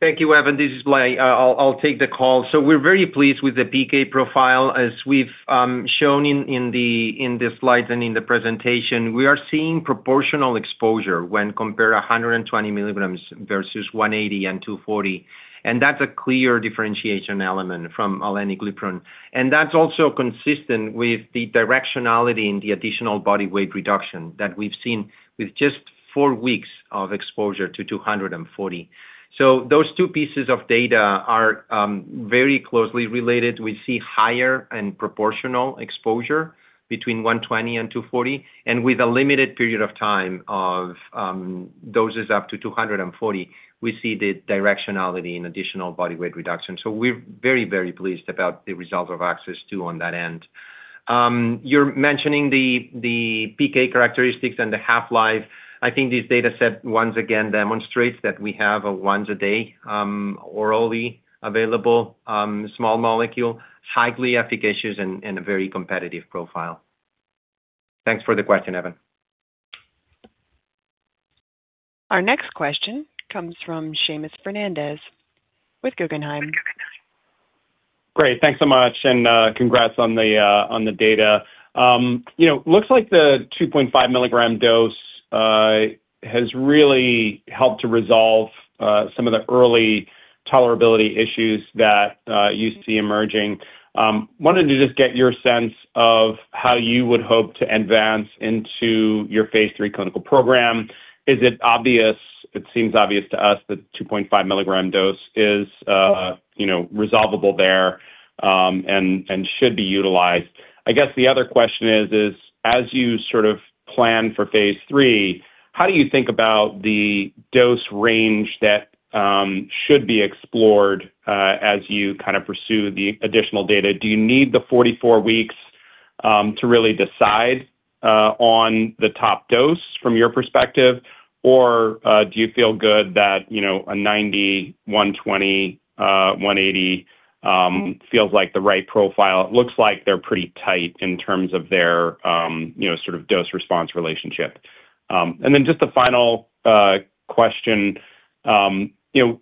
Thank you, Evan. This is Blai. I'll take the call. So we're very pleased with the PK profile, as we've shown in the slides and in the presentation. We are seeing proportional exposure when compared to 120 milligrams versus 180 and 240. And that's a clear differentiation element from Eleniglipron. And that's also consistent with the directionality in the additional body weight reduction that we've seen with just four weeks of exposure to 240. So those two pieces of data are very closely related. We see higher and proportional exposure between 120 and 240, and with a limited period of time of doses up to 240, we see the directionality in additional body weight reduction, so we're very, very pleased about the result of ACCESS 2 on that end. You're mentioning the PK characteristics and the half-life. I think this data set once again demonstrates that we have a once-a-day orally available small molecule, highly efficacious and a very competitive profile. Thanks for the question, Evan. Our next question comes from Seamus Fernandez with Guggenheim. Great, thanks so much, and congrats on the data. You know, it looks like the 2.5 milligram dose has really helped to resolve some of the early tolerability issues that you see emerging. I wanted to just get your sense of how you would hope to advance into your Phase 3 clinical program. Is it obvious? It seems obvious to us that the 2.5 milligram dose is, you know, resolvable there and should be utilized. I guess the other question is, as you sort of plan for Phase 3, how do you think about the dose range that should be explored as you kind of pursue the additional data? Do you need the 44 weeks to really decide on the top dose from your perspective, or do you feel good that, you know, a 90, 120, 180 feels like the right profile? It looks like they're pretty tight in terms of their, you know, sort of dose-response relationship. And then just the final question, you know,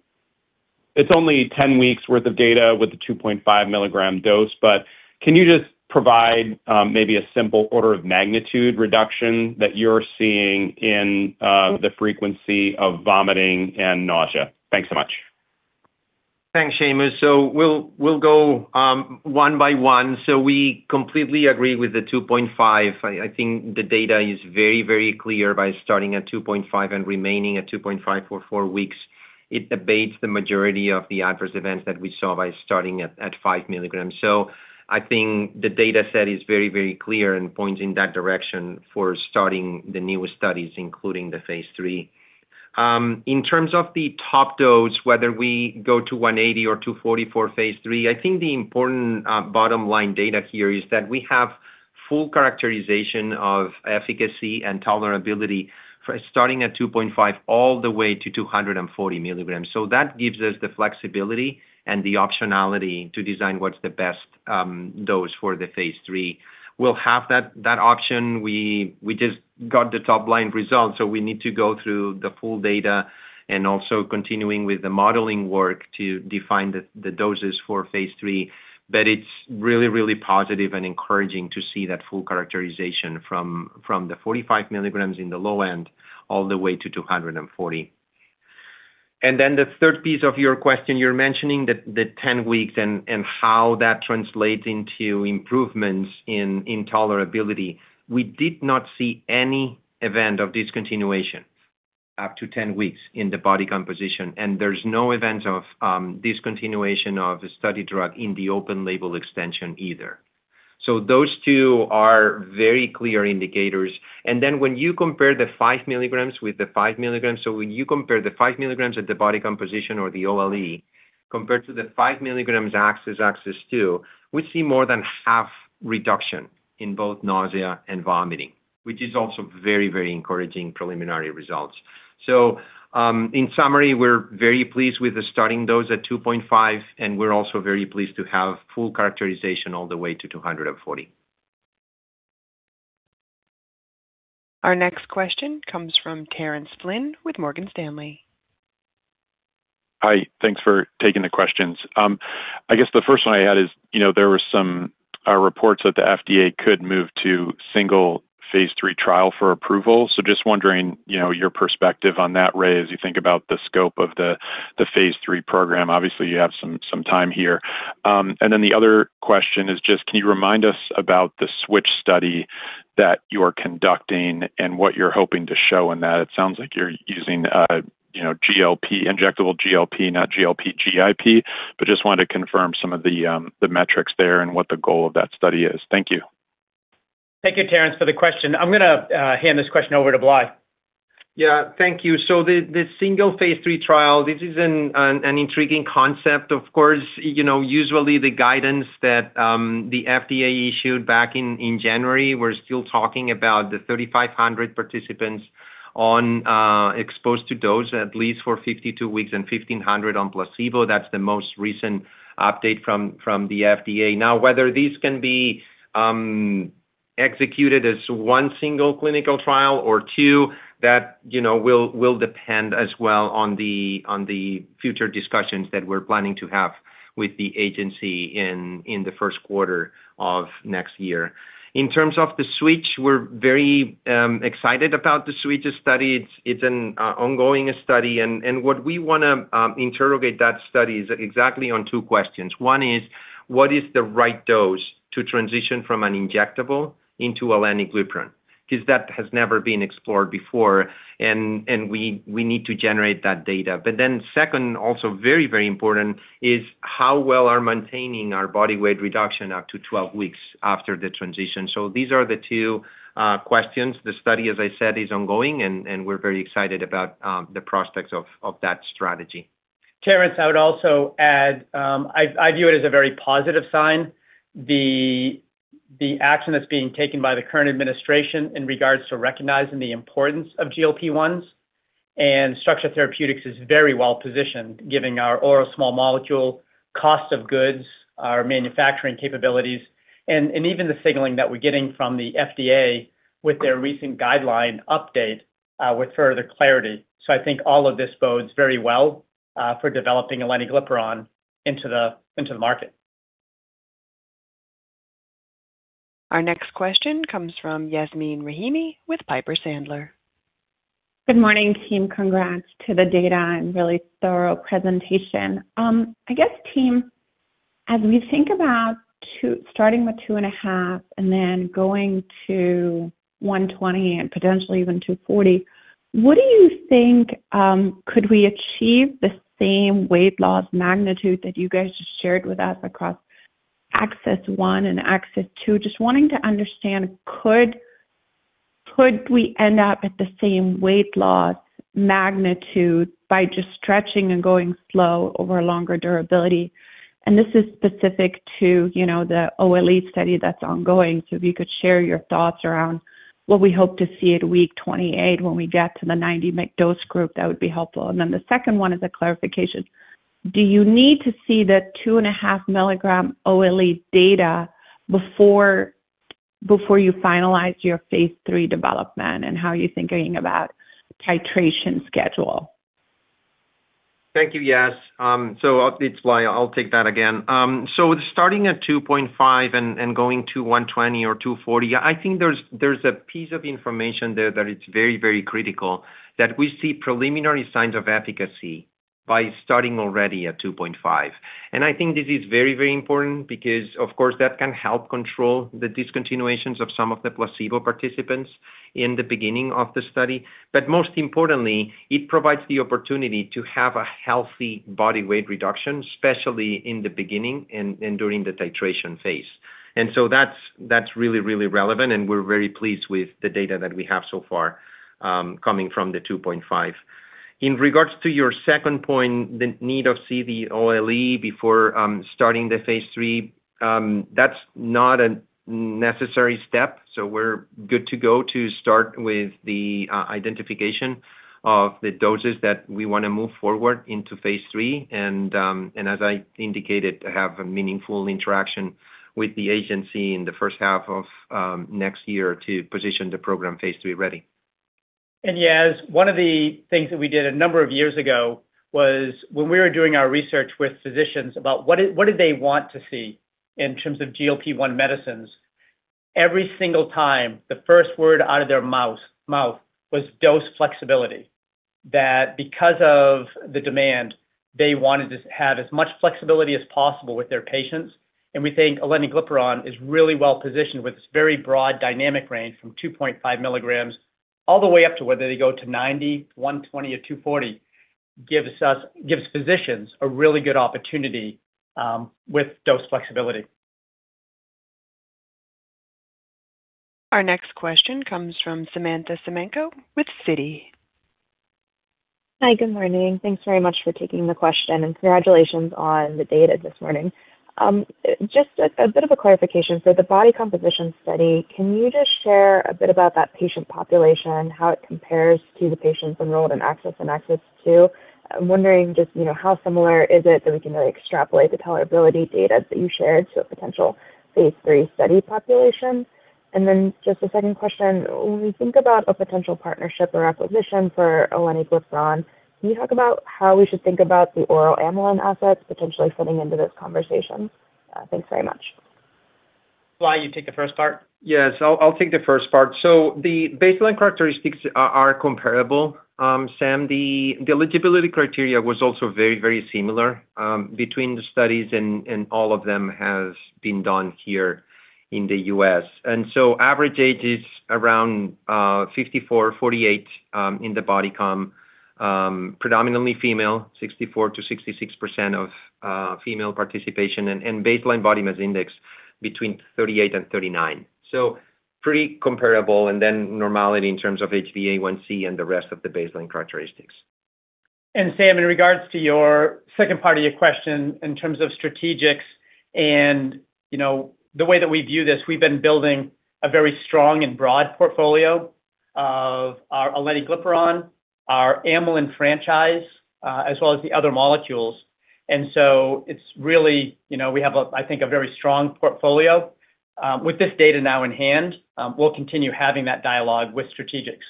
it's only 10 weeks' worth of data with the 2.5 milligram dose, but can you just provide maybe a simple order of magnitude reduction that you're seeing in the frequency of vomiting and nausea? Thanks so much. Thanks, Seamus. So we'll go one by one. We completely agree with the 2.5. I think the data is very, very clear by starting at 2.5 and remaining at 2.5 for four weeks. It abates the majority of the adverse events that we saw by starting at 5 milligrams. I think the data set is very, very clear and points in that direction for starting the newest studies, including the Phase 3. In terms of the top dose, whether we go to 180 or 240 for Phase 3, I think the important bottom-line data here is that we have full characterization of efficacy and tolerability for starting at 2.5 all the way to 240 milligrams. That gives us the flexibility and the optionality to design what's the best dose for the Phase 3. We'll have that option. We just got the top-line results, so we need to go through the full data and also continuing with the modeling work to define the doses for Phase 3, but it's really, really positive and encouraging to see that full characterization from the 45 milligrams in the low end all the way to 240, and then the third piece of your question, you're mentioning the 10 weeks and how that translates into improvements in tolerability. We did not see any event of discontinuation up to 10 weeks in the body composition, and there's no event of discontinuation of a study drug in the open-label extension either, so those two are very clear indicators. And then when you compare the five milligrams with the five milligrams, so when you compare the five milligrams at the body composition or the OLE compared to the five milligrams ACCESS 2, we see more than half reduction in both nausea and vomiting, which is also very, very encouraging preliminary results. So in summary, we're very pleased with the starting dose at 2.5, and we're also very pleased to have full characterization all the way to 240. Our next question comes from Terence Flynn with Morgan Stanley. Hi, thanks for taking the questions. I guess the first one I had is, you know, there were some reports that the FDA could move to single Phase 3 trial for approval. So just wondering, you know, your perspective on that, Ray, as you think about the scope of the Phase 3 program. Obviously, you have some time here. And then the other question is just, can you remind us about the switch study that you are conducting and what you're hoping to show in that? It sounds like you're using, you know, GLP, injectable GLP, not GLP-GIP, but just wanted to confirm some of the metrics there and what the goal of that study is. Thank you. Thank you, Terence, for the question. I'm going to hand this question over to Blai. Yeah, thank you. The single Phase 3 trial, this is an intriguing concept. Of course, you know, usually the guidance that the FDA issued back in January, we're still talking about the 3,500 participants exposed to dose at least for 52 weeks and 1,500 on placebo. That's the most recent update from the FDA. Now, whether these can be executed as one single clinical trial or two, that, you know, will depend as well on the future discussions that we're planning to have with the agency in the first quarter of next year. In terms of the switch, we're very excited about the switch study. It's an ongoing study. And what we want to interrogate that study is exactly on two questions. One is, what is the right dose to transition from an injectable into Eleniglipron? Because that has never been explored before, and we need to generate that data. But then second, also very, very important is how well are we maintaining our body weight reduction up to 12 weeks after the transition? So these are the two questions. The study, as I said, is ongoing, and we're very excited about the prospects of that strategy. Terence, I would also add, I view it as a very positive sign. The action that's being taken by the current administration in regards to recognizing the importance of GLP-1s and Structure Therapeutics is very well positioned, giving our oral small molecule cost of goods, our manufacturing capabilities, and even the signaling that we're getting from the FDA with their recent guideline update with further clarity. So I think all of this bodes very well for developing Eleniglipron into the market. Our next question comes from Yasmeen Rahimi with Piper Sandler. Good morning, team. Congrats to the data and really thorough presentation. I guess, team, as we think about starting with 2.5 and then going to 120 and potentially even 240, what do you think could we achieve the same weight loss magnitude that you guys just shared with us across ACCESS 1 and ACCESS 2? Just wanting to understand, could we end up at the same weight loss magnitude by just stretching and going slow over a longer durability? And this is specific to, you know, the OLE study that's ongoing. So if you could share your thoughts around what we hope to see at week 28 when we get to the 90 dose group, that would be helpful. And then the second one is a clarification. Do you need to see the 2.5 milligram OLE data before you finalize your Phase 3 development and how you're thinking about titration schedule? Thank you, yes. So it's Blai. I'll take that again. So starting at 2.5 and going to 120 or 240, I think there's a piece of information there that it's very, very critical that we see preliminary signs of efficacy by starting already at 2.5. And I think this is very, very important because, of course, that can help control the discontinuations of some of the placebo participants in the beginning of the study. But most importantly, it provides the opportunity to have a healthy body weight reduction, especially in the beginning and during the titration phase. And so that's really, really relevant, and we're very pleased with the data that we have so far coming from the 2.5. In regards to your second point, the need of CVOT before starting the Phase 3, that's not a necessary step. So we're good to go to start with the identification of the doses that we want to move forward into Phase 3. And as I indicated, I have a meaningful interaction with the agency in the first half of next year to position the program Phase 3 ready. Yes, one of the things that we did a number of years ago was when we were doing our research with physicians about what did they want to see in terms of GLP-1 medicines. Every single time the first word out of their mouth was dose flexibility. That because of the demand, they wanted to have as much flexibility as possible with their patients. And we think Eleniglipron is really well positioned with its very broad dynamic range from 2.5 milligrams all the way up to whether they go to 90, 120, or 240, gives physicians a really good opportunity with dose flexibility. Our next question comes from Samantha Semenkow with Citi. Hi, good morning. Thanks very much for taking the question, and congratulations on the data this morning. Just a bit of a clarification for the body composition study. Can you just share a bit about that patient population, how it compares to the patients enrolled in ACCESS and ACCESS 2? I'm wondering just, you know, how similar is it that we can really extrapolate the tolerability data that you shared to a potential Phase 3 study population? And then just a second question. When we think about a potential partnership or acquisition for Eleniglipron, can you talk about how we should think about the oral amylin assets potentially fitting into this conversation? Thanks very much. Blai, you take the first part. Yes, I'll take the first part. So the baseline characteristics are comparable, Sam. The eligibility criteria was also very, very similar between the studies, and all of them have been done here in the U.S. Average age is around 54, 48 in the body comp, predominantly female, 64% to 66% female participation, and baseline body mass index between 38 and 39. Pretty comparable, and then normality in terms of HbA1c and the rest of the baseline characteristics. Sam, in regards to your second part of your question in terms of strategics and, you know, the way that we view this, we've been building a very strong and broad portfolio of our Eleniglipron, our amylin franchise, as well as the other molecules. It's really, you know, we have, I think, a very strong portfolio. With this data now in hand, we'll continue having that dialogue with strategics.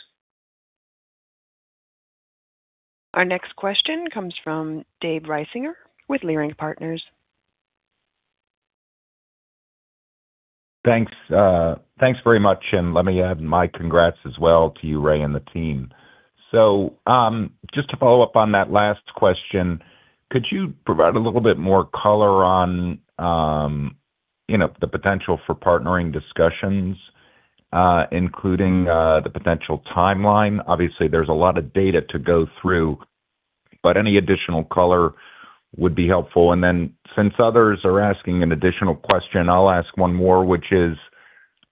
Our next question comes from Dave Risinger with Leerink Partners. Thanks. Thanks very much. Let me add my congrats as well to you, Ray, and the team. So just to follow up on that last question, could you provide a little bit more color on, you know, the potential for partnering discussions, including the potential timeline? Obviously, there's a lot of data to go through, but any additional color would be helpful. And then since others are asking an additional question, I'll ask one more, which is,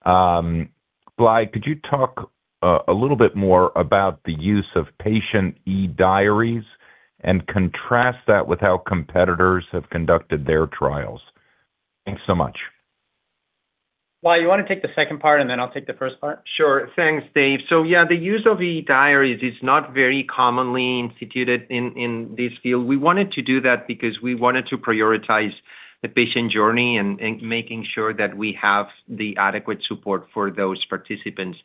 Bly, could you talk a little bit more about the use of patient eDiaries and contrast that with how competitors have conducted their trials? Thanks so much. Blai, you want to take the second part, and then I'll take the first part. Sure. Thanks, Dave. So yeah, the use of eDiaries is not very commonly instituted in this field. We wanted to do that because we wanted to prioritize the patient journey and making sure that we have the adequate support for those participants.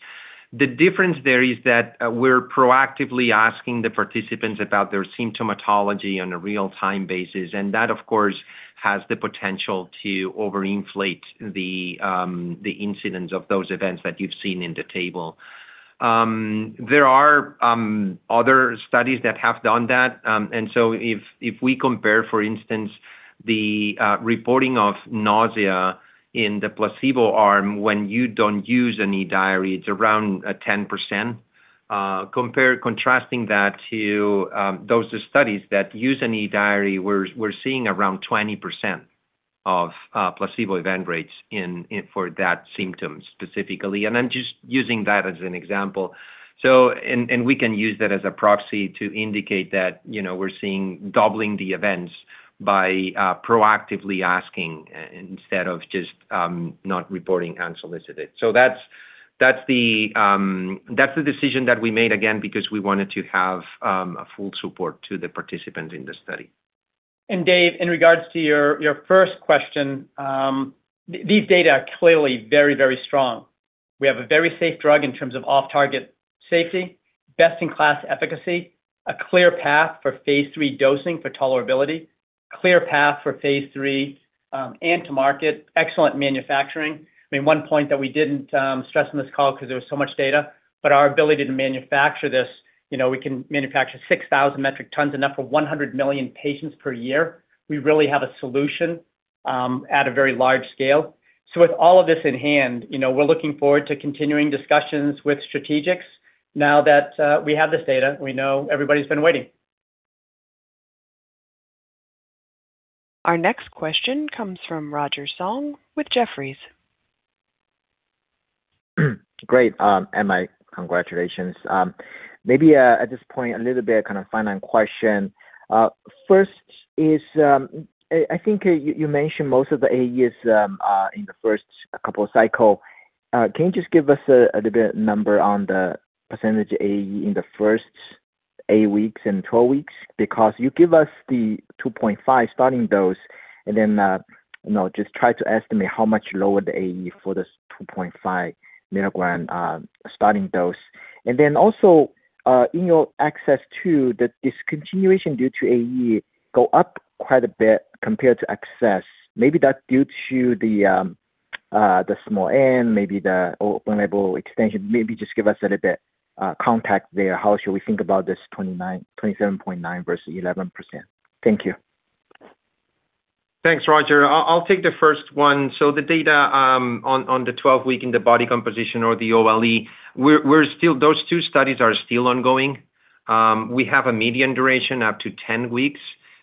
The difference there is that we're proactively asking the participants about their symptomatology on a real-time basis, and that, of course, has the potential to overinflate the incidence of those events that you've seen in the table. There are other studies that have done that, and so if we compare, for instance, the reporting of nausea in the placebo arm when you don't use an eDiary, it's around 10%. Contrasting that to those studies that use an eDiary, we're seeing around 20% of placebo event rates for that symptom specifically, and I'm just using that as an example, and we can use that as a proxy to indicate that, you know, we're seeing doubling the events by proactively asking instead of just not reporting unsolicited, so that's the decision that we made, again, because we wanted to have full support to the participants in the study. And Dave, in regards to your first question, these data are clearly very, very strong. We have a very safe drug in terms of off-target safety, best-in-class efficacy, a clear path for Phase 3 dosing for tolerability, clear path for Phase 3 and to market, excellent manufacturing. I mean, one point that we didn't stress on this call because there was so much data, but our ability to manufacture this, you know, we can manufacture 6,000 metric tons, enough for 100 million patients per year. We really have a solution at a very large scale. So with all of this in hand, you know, we're looking forward to continuing discussions with strategics now that we have this data. We know everybody's been waiting. Our next question comes from Roger Song with Jefferies. Great. Ray, congratulations. Maybe at this point, a little bit of kind of final question. First is, I think you mentioned most of the AE is in the first couple of cycles. Can you just give us a little bit of number on the percentage AE in the first eight weeks and 12 weeks? Because you give us the 2.5 starting dose, and then, you know, just try to estimate how much lower the AE for the 2.5 milligram starting dose. And then also in your ACCESS 2, that discontinuation due to AE go up quite a bit compared to ACCESS. Maybe that's due to the small N, maybe the open-label extension. Maybe just give us a little bit of context there. How should we think about this 27.9% versus 11%? Thank you. Thanks, Roger. I'll take the first one. So the data on the 12-week in the body composition or the OLE, those two studies are still ongoing. We have a median duration up to 10 weeks.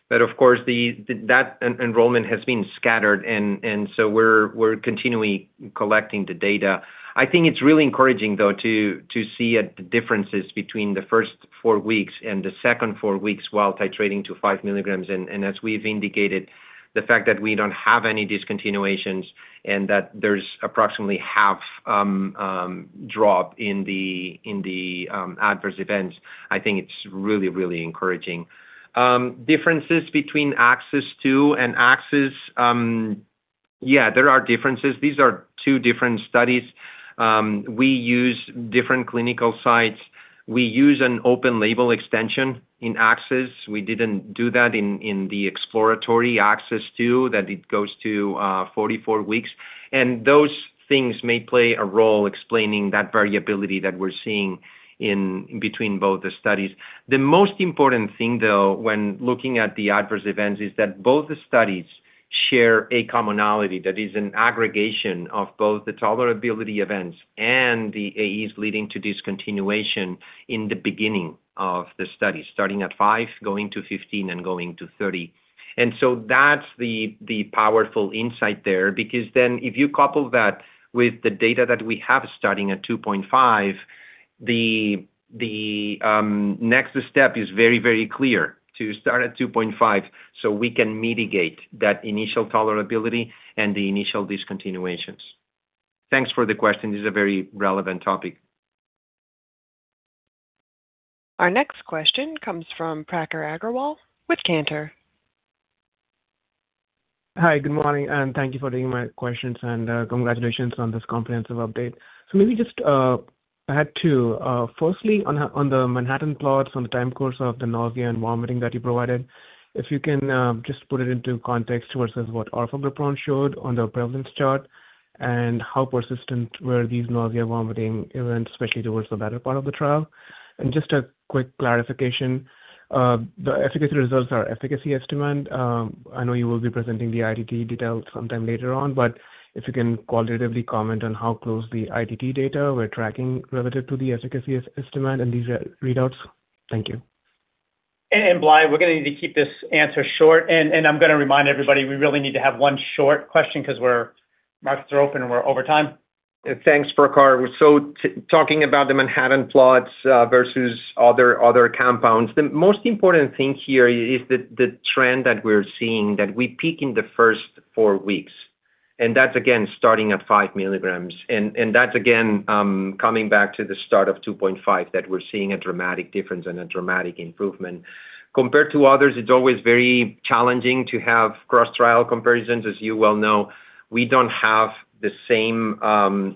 But of course, that enrollment has been scattered, and so we're continually collecting the data. I think it's really encouraging, though, to see the differences between the first four weeks and the second four weeks while titrating to 5 milligrams. And as we've indicated, the fact that we don't have any discontinuations and that there's approximately half drop in the adverse events, I think it's really, really encouraging. Differences between ACCESS 2 and ACCESS, yeah, there are differences. These are two different studies. We use different clinical sites. We use an open-label extension in ACCESS. We didn't do that in the exploratory ACCESS 2, that it goes to 44 weeks. And those things may play a role explaining that variability that we're seeing in between both the studies. The most important thing, though, when looking at the adverse events is that both the studies share a commonality that is an aggregation of both the tolerability events and the AEs leading to discontinuation in the beginning of the studies, starting at 5, going to 15, and going to 30, and so that's the powerful insight there. Because then if you couple that with the data that we have starting at 2.5, the next step is very, very clear to start at 2.5 so we can mitigate that initial tolerability and the initial discontinuations. Thanks for the question. This is a very relevant topic. Our next question comes from Prakhar Agrawal with Cantor. Hi, good morning, and thank you for taking my questions, and congratulations on this comprehensive update. So maybe just add to, firstly, on the Manhattan plots, on the time course of the nausea and vomiting that you provided, if you can just put it into context versus what orforglipron showed on the prevalence chart and how persistent were these nausea and vomiting events, especially towards the better part of the trial. And just a quick clarification, the efficacy results are efficacy estimate. I know you will be presenting the ITT details sometime later on, but if you can qualitatively comment on how close the ITT data we're tracking relative to the efficacy estimate and these readouts. Thank you. And Blai, we're going to need to keep this answer short. And I'm going to remind everybody, we really need to have one short question because the markets are open, and we're over time. Thanks, Prakhar. Talking about the Manhattan plots versus other compounds, the most important thing here is the trend that we're seeing, that we peak in the first four weeks. And that's, again, starting at five milligrams. And that's, again, coming back to the start of 2.5, that we're seeing a dramatic difference and a dramatic improvement. Compared to others, it's always very challenging to have cross-trial comparisons, as you well know. We don't have the same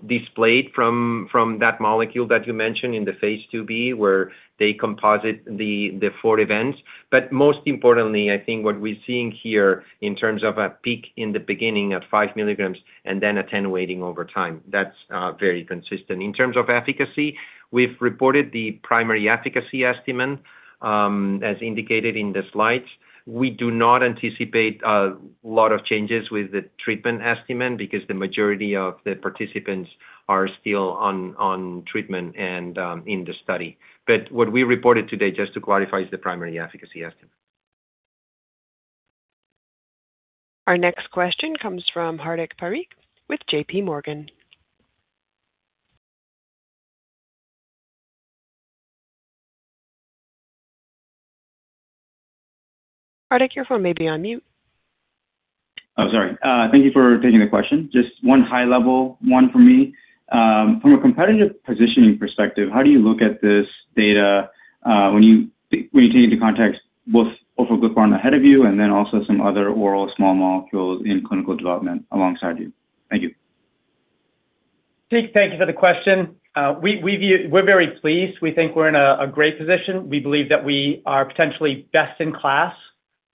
display from that molecule that you mentioned in the Phase 2b, where they composite the four events. But most importantly, I think what we're seeing here in terms of a peak in the beginning at five milligrams and then attenuating over time, that's very consistent. In terms of efficacy, we've reported the primary efficacy estimate as indicated in the slides. We do not anticipate a lot of changes with the treatment estimate because the majority of the participants are still on treatment and in the study. But what we reported today, just to clarify, is the primary efficacy estimate. Our next question comes from Hardik Parikh with JPMorgan. Hardik, your phone may be on mute. I'm sorry. Thank you for taking the question. Just one high-level one from me. From a competitive positioning perspective, how do you look at this data when you take into context both orforglipron ahead of you and then also some other oral small molecules in clinical development alongside you? Thank you. Thank you for the question. We're very pleased. We think we're in a great position. We believe that we are potentially best in class.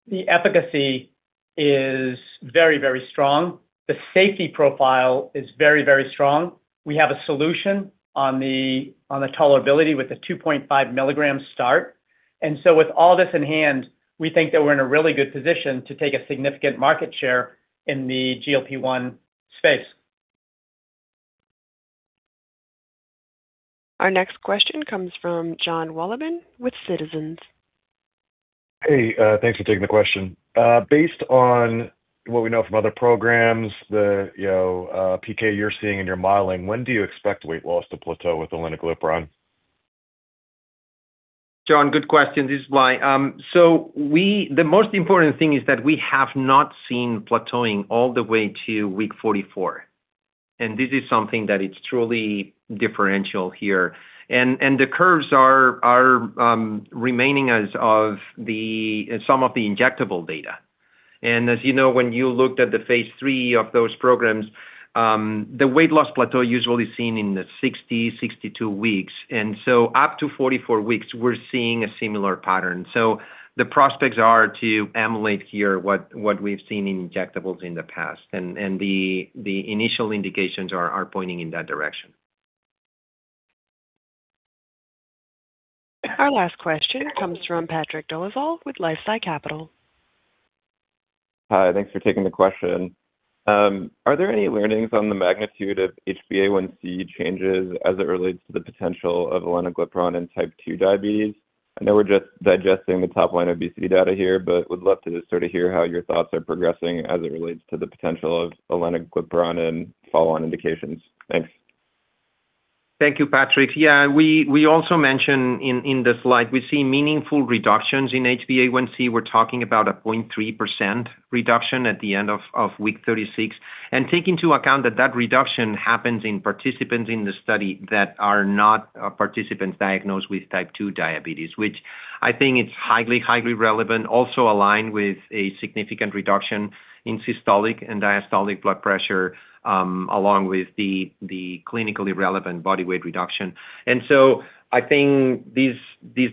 The efficacy is very, very strong. The safety profile is very, very strong. We have a solution on the tolerability with a 2.5 milligram start. And so with all this in hand, we think that we're in a really good position to take a significant market share in the GLP-1 space. Our next question comes from John Wolleben with Citizens. Hey, thanks for taking the question. Based on what we know from other programs, the PK you're seeing in your modeling, when do you expect weight loss to plateau with Eleniglipron? John, good question. This is Blai. So the most important thing is that we have not seen plateauing all the way to week 44. And this is something that it's truly differential here. And the curves are remaining as of some of the injectable data. And as you know, when you looked at the Phase 3 of those programs, the weight loss plateau usually is seen in the 60-62 weeks. And so up to 44 weeks, we're seeing a similar pattern. So the prospects are to emulate here what we've seen in injectables in the past. And the initial indications are pointing in that direction. Our last question comes from Patrick Dolezal with LifeSci Capital. Hi, thanks for taking the question. Are there any learnings on the magnitude of HbA1c changes as it relates to the potential of Eleniglipron in type 2 diabetes? I know we're just digesting the top-line obesity data here, but would love to sort of hear how your thoughts are progressing as it relates to the potential of Eleniglipron and follow-on indications. Thanks. Thank you, Patrick. Yeah, we also mentioned in the slide, we see meaningful reductions in HbA1c. We're talking about a 0.3% reduction at the end of week 36. And taking into account that that reduction happens in participants in the study that are not participants diagnosed with type 2 diabetes, which I think it's highly, highly relevant, also aligned with a significant reduction in systolic and diastolic blood pressure, along with the clinically relevant body weight reduction. And so I think this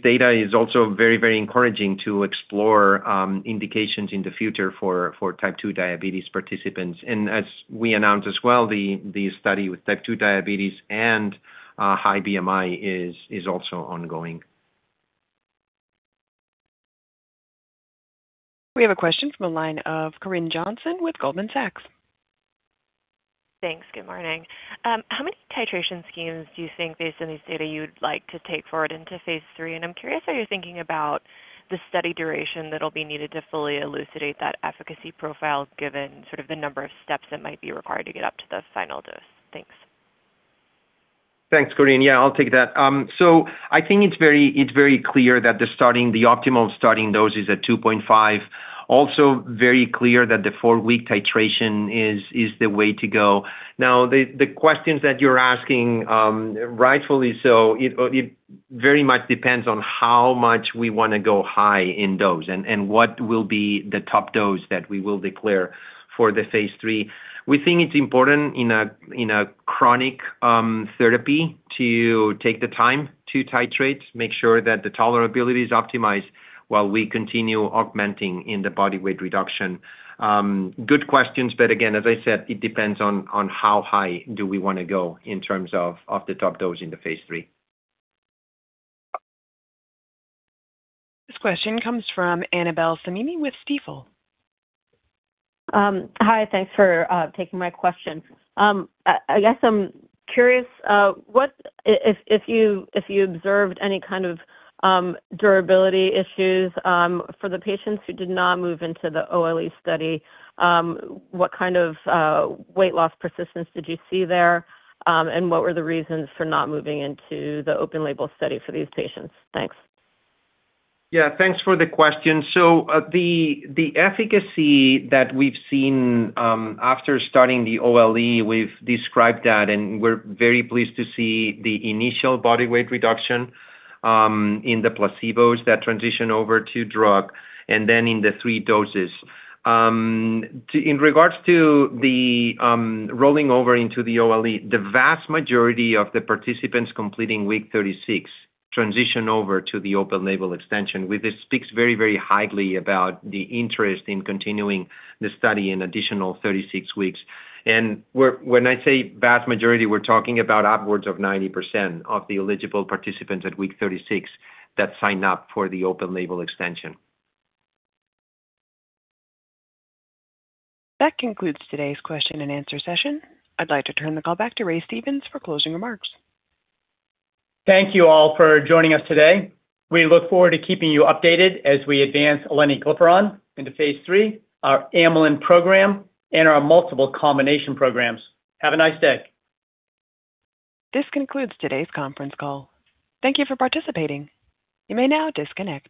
data is also very, very encouraging to explore indications in the future for type 2 diabetes participants. And as we announced as well, the study with type 2 diabetes and high BMI is also ongoing. We have a question from a line of Corinne Jenkins with Goldman Sachs. Thanks. Good morning. How many titration schemes do you think, based on these data, you'd like to take forward into Phase 3? I'm curious how you're thinking about the study duration that will be needed to fully elucidate that efficacy profile, given sort of the number of steps that might be required to get up to the final dose. Thanks. Thanks, Corinne. Yeah, I'll take that. So I think it's very clear that the optimal starting dose is at 2.5. Also very clear that the four-week titration is the way to go. Now, the questions that you're asking, rightfully so, it very much depends on how much we want to go high in dose and what will be the top dose that we will declare for the Phase 3. We think it's important in a chronic therapy to take the time to titrate, make sure that the tolerability is optimized while we continue augmenting in the body weight reduction. Good questions. But again, as I said, it depends on how high do we want to go in terms of the top dose in the Phase 3. This question comes from Annabel Samimy with Stifel. Hi, thanks for taking my question. I guess I'm curious, if you observed any kind of durability issues for the patients who did not move into the OLE study, what kind of weight loss persistence did you see there, and what were the reasons for not moving into the open-label study for these patients? Thanks. Yeah, thanks for the question. So the efficacy that we've seen after starting the OLE, we've described that, and we're very pleased to see the initial body weight reduction in the placebos that transition over to drug, and then in the three doses. In regards to the rolling over into the OLE, the vast majority of the participants completing week 36 transition over to the open label extension, which speaks very, very highly about the interest in continuing the study in additional 36 weeks, and when I say vast majority, we're talking about upwards of 90% of the eligible participants at week 36 that signed up for the open label extension. That concludes today's question and answer session. I'd like to turn the call back to Ray Stevens for closing remarks. Thank you all for joining us today. We look forward to keeping you updated as we advance Eleniglipron into Phase 3, our Amylin program, and our multiple combination programs. Have a nice day. This concludes today's conference call. Thank you for participating. You may now disconnect.